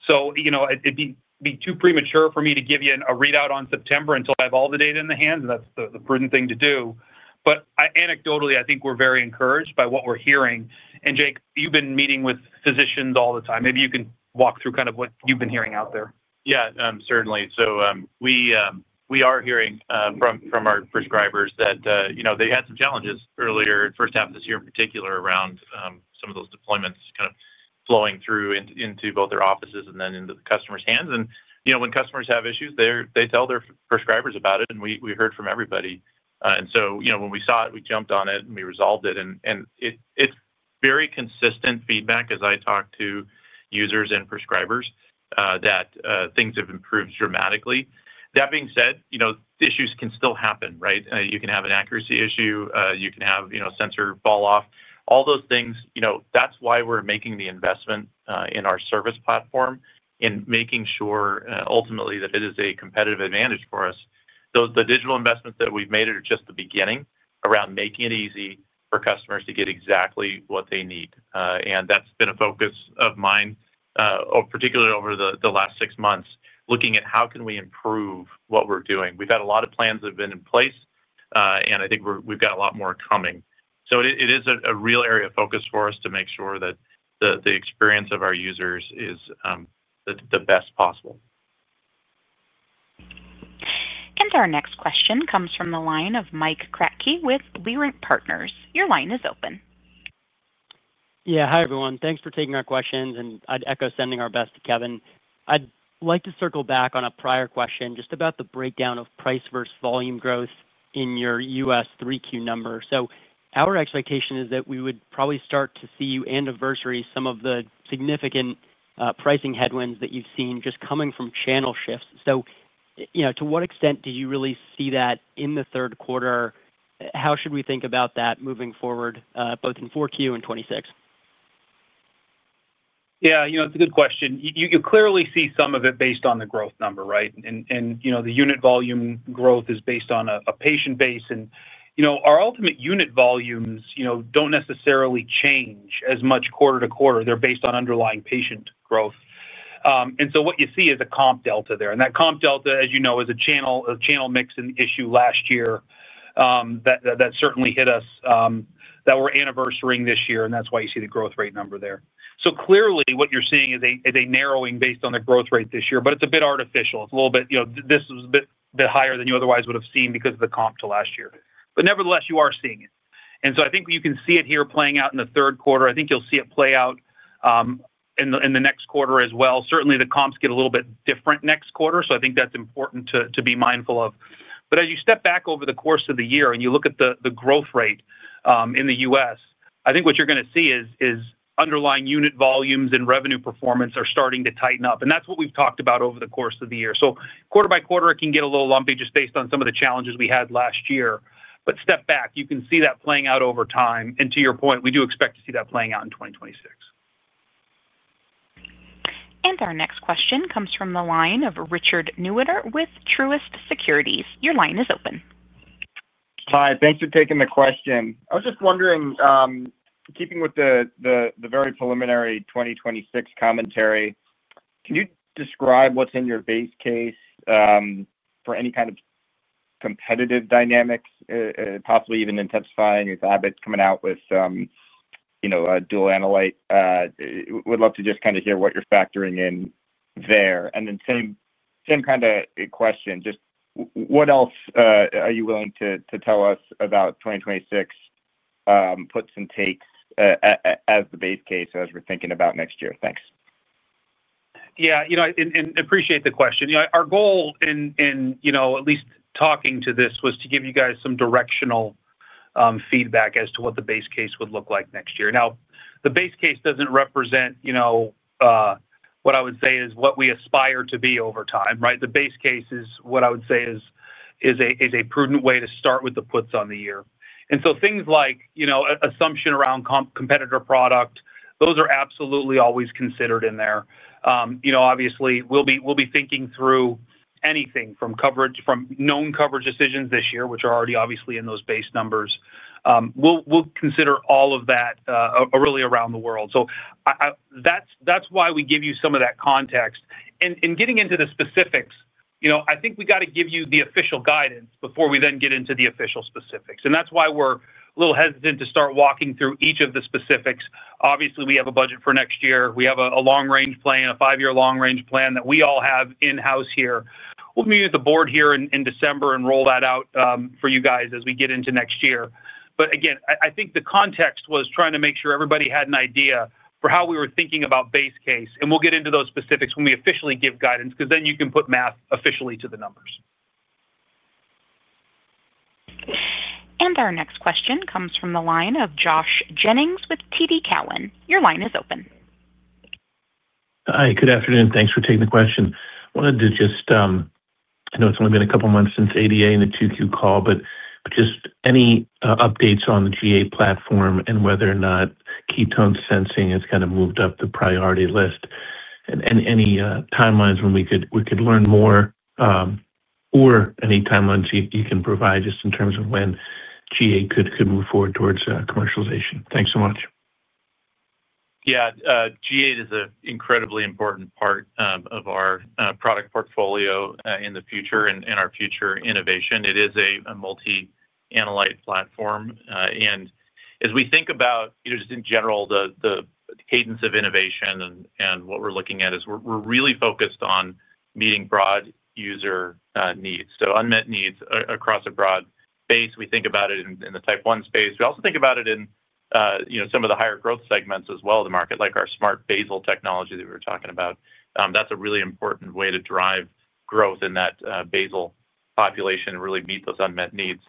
It'd be too premature for me to give you a readout on September until I have all the data in the hands. That's the prudent thing to do. Anecdotally, I think we're very encouraged by what we're hearing. Jake, you've been meeting with physicians all the time. Maybe you can walk through kind of what you've been hearing out there. Yeah, certainly. We are hearing from our prescribers that they had some challenges earlier in the first half of this year, in particular around some of those deployments flowing through into both their offices and then into the customer's hands. When customers have issues, they tell their prescribers about it, and we heard from everybody. When we saw it, we jumped on it and we resolved it. It is very consistent feedback as I talk to users and prescribers that things have improved dramatically. That being said, issues can still happen, right? You can have an accuracy issue. You can have sensor fall off. All those things, that's why we're making the investment in our service platform and making sure ultimately that it is a competitive advantage for us. The digital investments that we've made are just the beginning around making it easy for customers to get exactly what they need. That's been a focus of mine, particularly over the last six months, looking at how can we improve what we're doing. We've had a lot of plans that have been in place, and I think we've got a lot more coming. It is a real area of focus for us to make sure that the experience of our users is the best possible. Our next question comes from the line of Mike Kratky with Leerink Partners. Your line is open. Hi, everyone. Thanks for taking our questions. I'd echo sending our best to Kevin. I'd like to circle back on a prior question just about the breakdown of price versus volume growth in your U.S. Q3 numbers. Our expectation is that we would probably start to see you anniversary some of the significant pricing headwinds that you've seen just coming from channel shifts. To what extent do you really see that in the third quarter? How should we think about that moving forward, both in Q4 and 2026? Yeah, you know, it's a good question. You clearly see some of it based on the growth number, right? The unit volume growth is based on a patient base. Our ultimate unit volumes don't necessarily change as much quarter to quarter. They're based on underlying patient growth. What you see is a comp delta there. That comp delta, as you know, is a channel mix and issue last year that certainly hit us that we're anniversarying this year. That's why you see the growth rate number there. Clearly what you're seeing is a narrowing based on the growth rate this year, but it's a bit artificial. It's a little bit higher than you otherwise would have seen because of the comp to last year. Nevertheless, you are seeing it. I think you can see it here playing out in the third quarter. I think you'll see it play out in the next quarter as well. Certainly the comps get a little bit different next quarter. I think that's important to be mindful of. As you step back over the course of the year and you look at the growth rate in the U.S., I think what you're going to see is underlying unit volumes and revenue performance are starting to tighten up. That's what we've talked about over the course of the year. Quarter by quarter, it can get a little lumpy just based on some of the challenges we had last year. Step back, you can see that playing out over time. To your point, we do expect to see that playing out in 2026. Our next question comes from the line of Richard Newitter with Truist Securities. Your line is open. Hi, thanks for taking the question. I was just wondering, keeping with the very preliminary 2026 commentary, can you describe what's in your base case for any kind of competitive dynamics, possibly even intensifying with Abbott coming out with, you know, a dual analytic? Would love to just kind of hear what you're factoring in there. Same kind of question, just what else are you willing to tell us about 2026 puts and takes as the base case as we're thinking about next year? Thanks. Yeah, you know, and appreciate the question. Our goal in, you know, at least talking to this was to give you guys some directional feedback as to what the base case would look like next year. Now, the base case doesn't represent, you know, what I would say is what we aspire to be over time, right? The base case is what I would say is a prudent way to start with the puts on the year. Things like, you know, assumption around competitor product, those are absolutely always considered in there. Obviously, we'll be thinking through anything from coverage, from known coverage decisions this year, which are already obviously in those base numbers. We'll consider all of that really around the world. That's why we give you some of that context. Getting into the specifics, you know, I think we got to give you the official guidance before we then get into the official specifics. That's why we're a little hesitant to start walking through each of the specifics. Obviously, we have a budget for next year. We have a long range plan, a five-year long range plan that we all have in-house here. We'll meet with the board here in December and roll that out for you guys as we get into next year. Again, I think the context was trying to make sure everybody had an idea for how we were thinking about base case. We'll get into those specifics when we officially give guidance, because then you can put math officially to the numbers. Our next question comes from the line of Josh Jennings with TD Cowen. Your line is open. Hi, good afternoon. Thanks for taking the question. I wanted to just, I know it's only been a couple of months since ADA and the 2Q call, but just any updates on the GA platform and whether or not ketone sensing has kind of moved up the priority list. Any timelines when we could learn more, or any timelines you can provide just in terms of when GA could move forward towards commercialization. Thanks so much. Yeah, GA is an incredibly important part of our product portfolio in the future and our future innovation. It is a multi-analytic platform. As we think about, you know, just in general, the cadence of innovation and what we're looking at, we're really focused on meeting broad user needs. Unmet needs across a broad base, we think about it in the type one space. We also think about it in, you know, some of the higher growth segments as well of the market, like our smart basal technology that we were talking about. That's a really important way to drive growth in that basal population and really meet those unmet needs.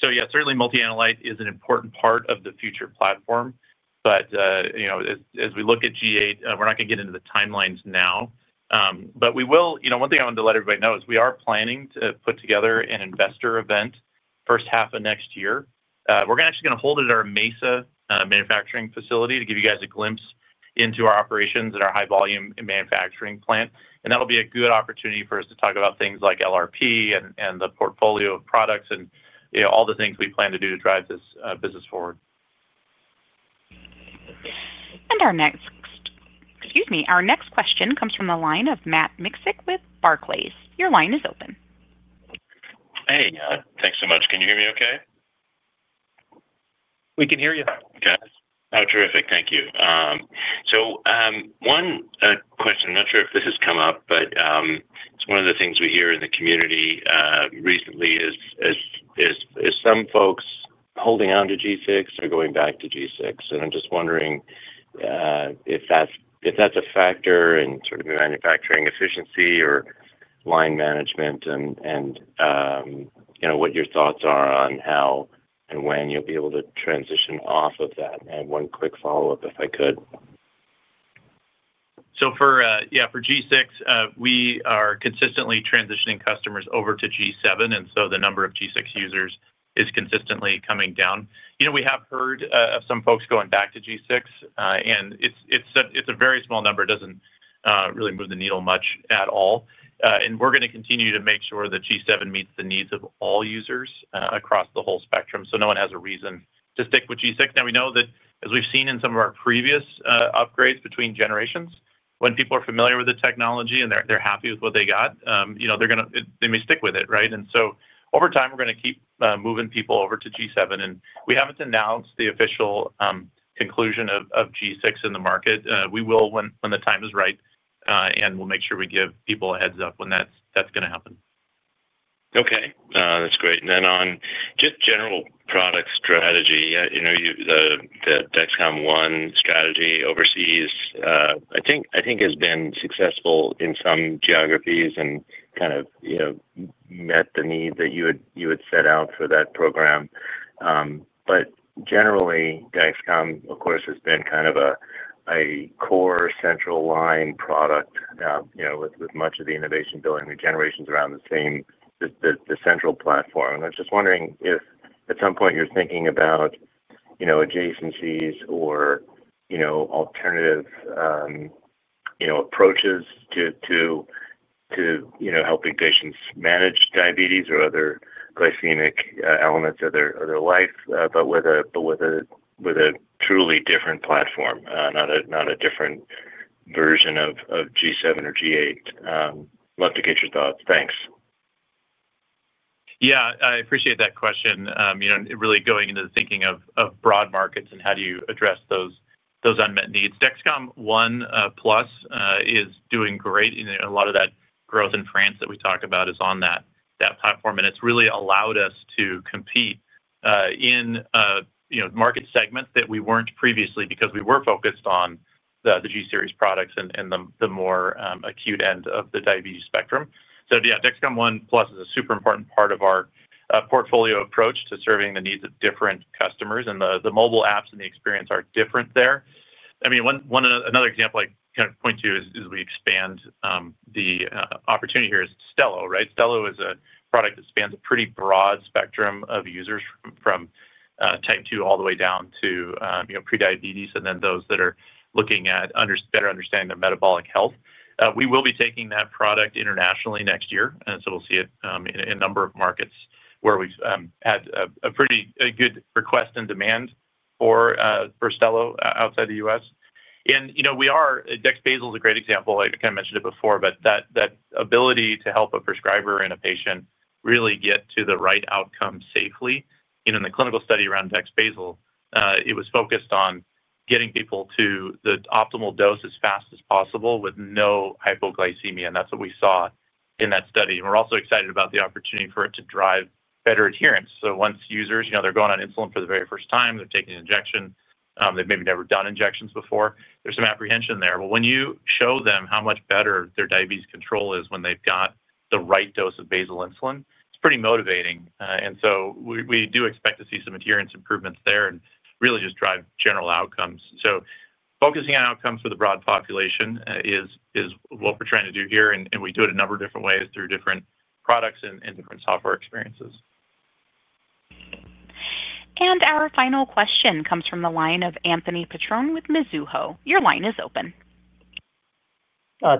Certainly, multi-analytic is an important part of the future platform. As we look at GA, we're not going to get into the timelines now. One thing I wanted to let everybody know is we are planning to put together an investor event first half of next year. We're actually going to hold it at our Mesa manufacturing facility to give you guys a glimpse into our operations at our high volume manufacturing plant. That'll be a good opportunity for us to talk about things like LRP and the portfolio of products and, you know, all the things we plan to do to drive this business forward. Our next question comes from the line of Matt Miksic with Barclays. Your line is open. Hey, thanks so much. Can you hear me okay? We can hear you. Okay. Terrific, thank you. One question, I'm not sure if this has come up, but it's one of the things we hear in the community recently. Some folks holding on to G6 are going back to G6. I'm just wondering if that's a factor in sort of manufacturing efficiency or line management, and what your thoughts are on how and when you'll be able to transition off of that. One quick follow-up, if I could. For G6, we are consistently transitioning customers over to G7, and the number of G6 users is consistently coming down. We have heard of some folks going back to G6, and it's a very small number. It doesn't really move the needle much at all. We are going to continue to make sure that G7 meets the needs of all users across the whole spectrum, so no one has a reason to stick with G6. We know that, as we've seen in some of our previous upgrades between generations, when people are familiar with the technology and they're happy with what they got, they may stick with it, right? Over time, we are going to keep moving people over to G7. We haven't announced the official conclusion of G6 in the market. We will when the time is right, and we'll make sure we give people a heads up when that's going to happen. Okay. That's great. On just general product strategy, you know, the Dexcom ONE strategy overseas, I think has been successful in some geographies and kind of, you know, met the need that you had set out for that program. Generally, Dexcom, of course, has been kind of a core central line product, you know, with much of the innovation building the generations around the same central platform. I'm just wondering if at some point you're thinking about, you know, adjacencies or, you know, alternative, you know, approaches to helping patients manage diabetes or other glycemic elements of their life, but with a truly different platform, not a different version of G7 or G8. Love to get your thoughts. Thanks. Yeah, I appreciate that question. You know, really going into the thinking of broad markets and how do you address those unmet needs. Dexcom ONE+ is doing great. A lot of that growth in France that we talk about is on that platform, and it's really allowed us to compete in market segments that we weren't previously because we were focused on the G series products and the more acute end of the diabetes spectrum. Dexcom ONE+ is a super important part of our portfolio approach to serving the needs of different customers. The mobile apps and the experience are different there. Another example I kind of point to as we expand the opportunity here is Stelo, right? Stelo is a product that spans a pretty broad spectrum of users from Type 2 all the way down to pre-diabetes and then those that are looking at better understanding their metabolic health. We will be taking that product internationally next year, and we'll see it in a number of markets where we've had a pretty good request and demand for Stelo outside the U.S. We are, Smart Basal is a great example. I kind of mentioned it before, but that ability to help a prescriber and a patient really get to the right outcome safely. In the clinical study around Smart Basal, it was focused on getting people to the optimal dose as fast as possible with no hypoglycemia, and that's what we saw in that study. We're also excited about the opportunity for it to drive better adherence. Once users, you know, they're going on insulin for the very first time, they're taking an injection, they've maybe never done injections before, there's some apprehension there. When you show them how much better their diabetes control is when they've got the right dose of basal insulin, it's pretty motivating. We do expect to see some adherence improvements there and really just drive general outcomes. Focusing on outcomes for the broad population is what we're trying to do here, and we do it a number of different ways through different products and different software experiences. Our final question comes from the line of Anthony Petrone with Mizuho. Your line is open.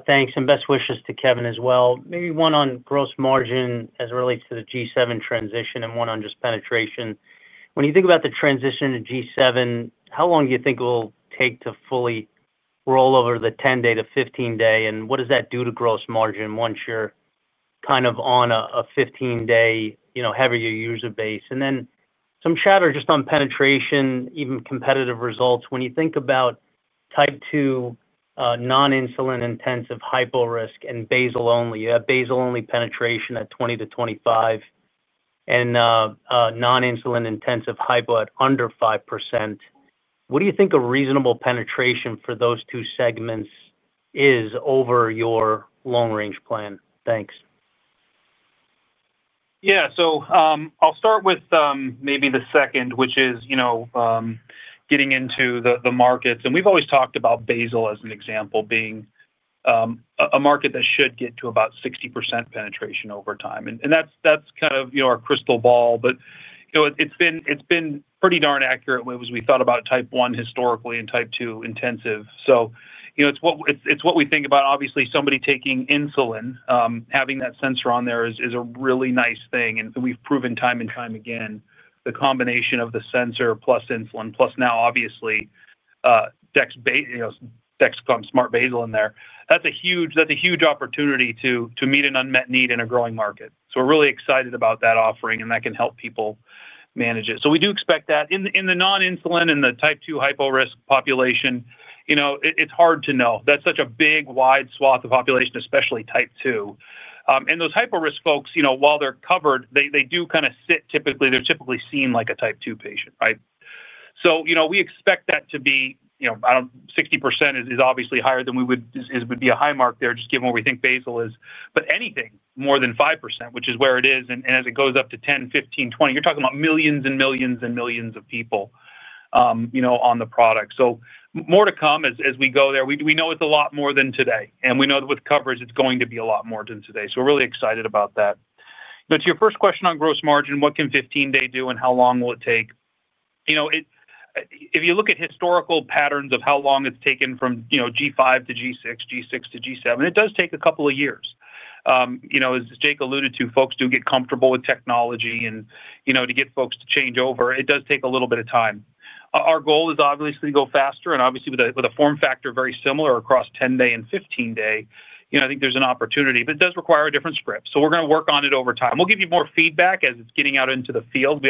Thanks. Best wishes to Kevin as well. Maybe one on gross margin as it relates to the G7 transition and one on just penetration. When you think about the transition to G7, how long do you think it will take to fully roll over the 10 Day to 15 Day? What does that do to gross margin once you're kind of on a 15 Day, you know, heavier user base? There is some chatter just on penetration, even competitive results. When you think about Type 2, non-insulin intensive hypo risk and basal only, you have basal only penetration at 20%-25%. Non-insulin intensive hypo at under 5%. What do you think a reasonable penetration for those two segments is over your long range plan? Thanks. Yeah, I'll start with maybe the second, which is, you know, getting into the markets. We've always talked about basal as an example being a market that should get to about 60% penetration over time. That's kind of, you know, our crystal ball. It's been pretty darn accurate as we thought about type one historically and type two intensive. It's what we think about. Obviously, somebody taking insulin, having that sensor on there is a really nice thing. We've proven time and time again, the combination of the sensor plus insulin plus now, obviously, Dexcom Smart Basal in there, that's a huge opportunity to meet an unmet need in a growing market. We're really excited about that offering and that can help people manage it. We do expect that in the non-insulin and the type two hypo risk population, you know, it's hard to know. That's such a big, wide swath of population, especially type two. Those hypo risk folks, while they're covered, they do kind of sit typically, they're typically seen like a type two patient, right? We expect that to be, you know, 60% is obviously higher than we would, it would be a high mark there just given what we think basal is. Anything more than 5%, which is where it is, and as it goes up to 10%, 15%, 20%, you're talking about millions and millions and millions of people on the product. More to come as we go there. We know it's a lot more than today. We know that with coverage, it's going to be a lot more than today. We're really excited about that. Now, to your first question on gross margin, what can 15 Day do and how long will it take? If you look at historical patterns of how long it's taken from, you know, G5 to G6, G6 to G7, it does take a couple of years. As Jake alluded to, folks do get comfortable with technology. To get folks to change over, it does take a little bit of time. Our goal is obviously to go faster. Obviously, with a form factor very similar across 10 Day and 15 Day, I think there's an opportunity, but it does require a different script. We're going to work on it over time. We'll give you more feedback as it's getting out into the field.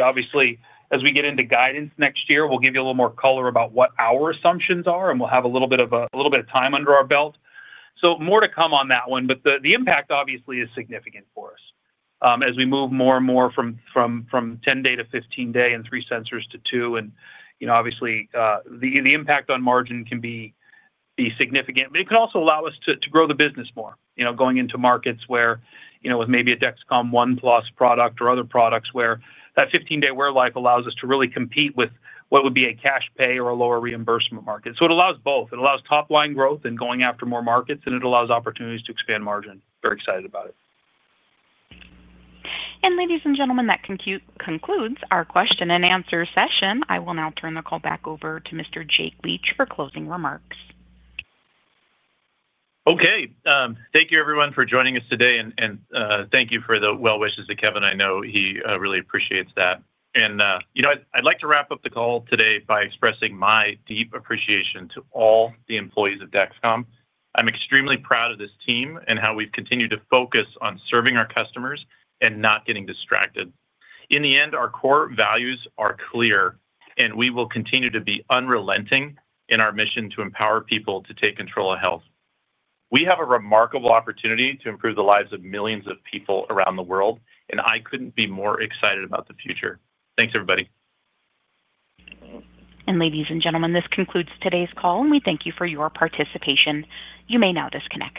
As we get into guidance next year, we'll give you a little more color about what our assumptions are. We'll have a little bit of time under our belt. More to come on that one. The impact obviously is significant for us as we move more and more from 10 Day to 15 Day and three sensors to two. The impact on margin can be significant, but it can also allow us to grow the business more, going into markets where, with maybe a Dexcom ONE+ product or other products where that 15 Day wear life allows us to really compete with what would be a cash pay or a lower reimbursement market. It allows both. It allows top line growth and going after more markets, and it allows opportunities to expand margin. Very excited about it. Ladies and gentlemen, that concludes our question and answer session. I will now turn the call back over to Mr. Jake Leach for closing remarks. Okay. Thank you, everyone, for joining us today. Thank you for the well-wishes to Kevin. I know he really appreciates that. I'd like to wrap up the call today by expressing my deep appreciation to all the employees of Dexcom. I'm extremely proud of this team and how we've continued to focus on serving our customers and not getting distracted. In the end, our core values are clear, and we will continue to be unrelenting in our mission to empower people to take control of health. We have a remarkable opportunity to improve the lives of millions of people around the world, and I couldn't be more excited about the future. Thanks, everybody. Ladies and gentlemen, this concludes today's call, and we thank you for your participation. You may now disconnect.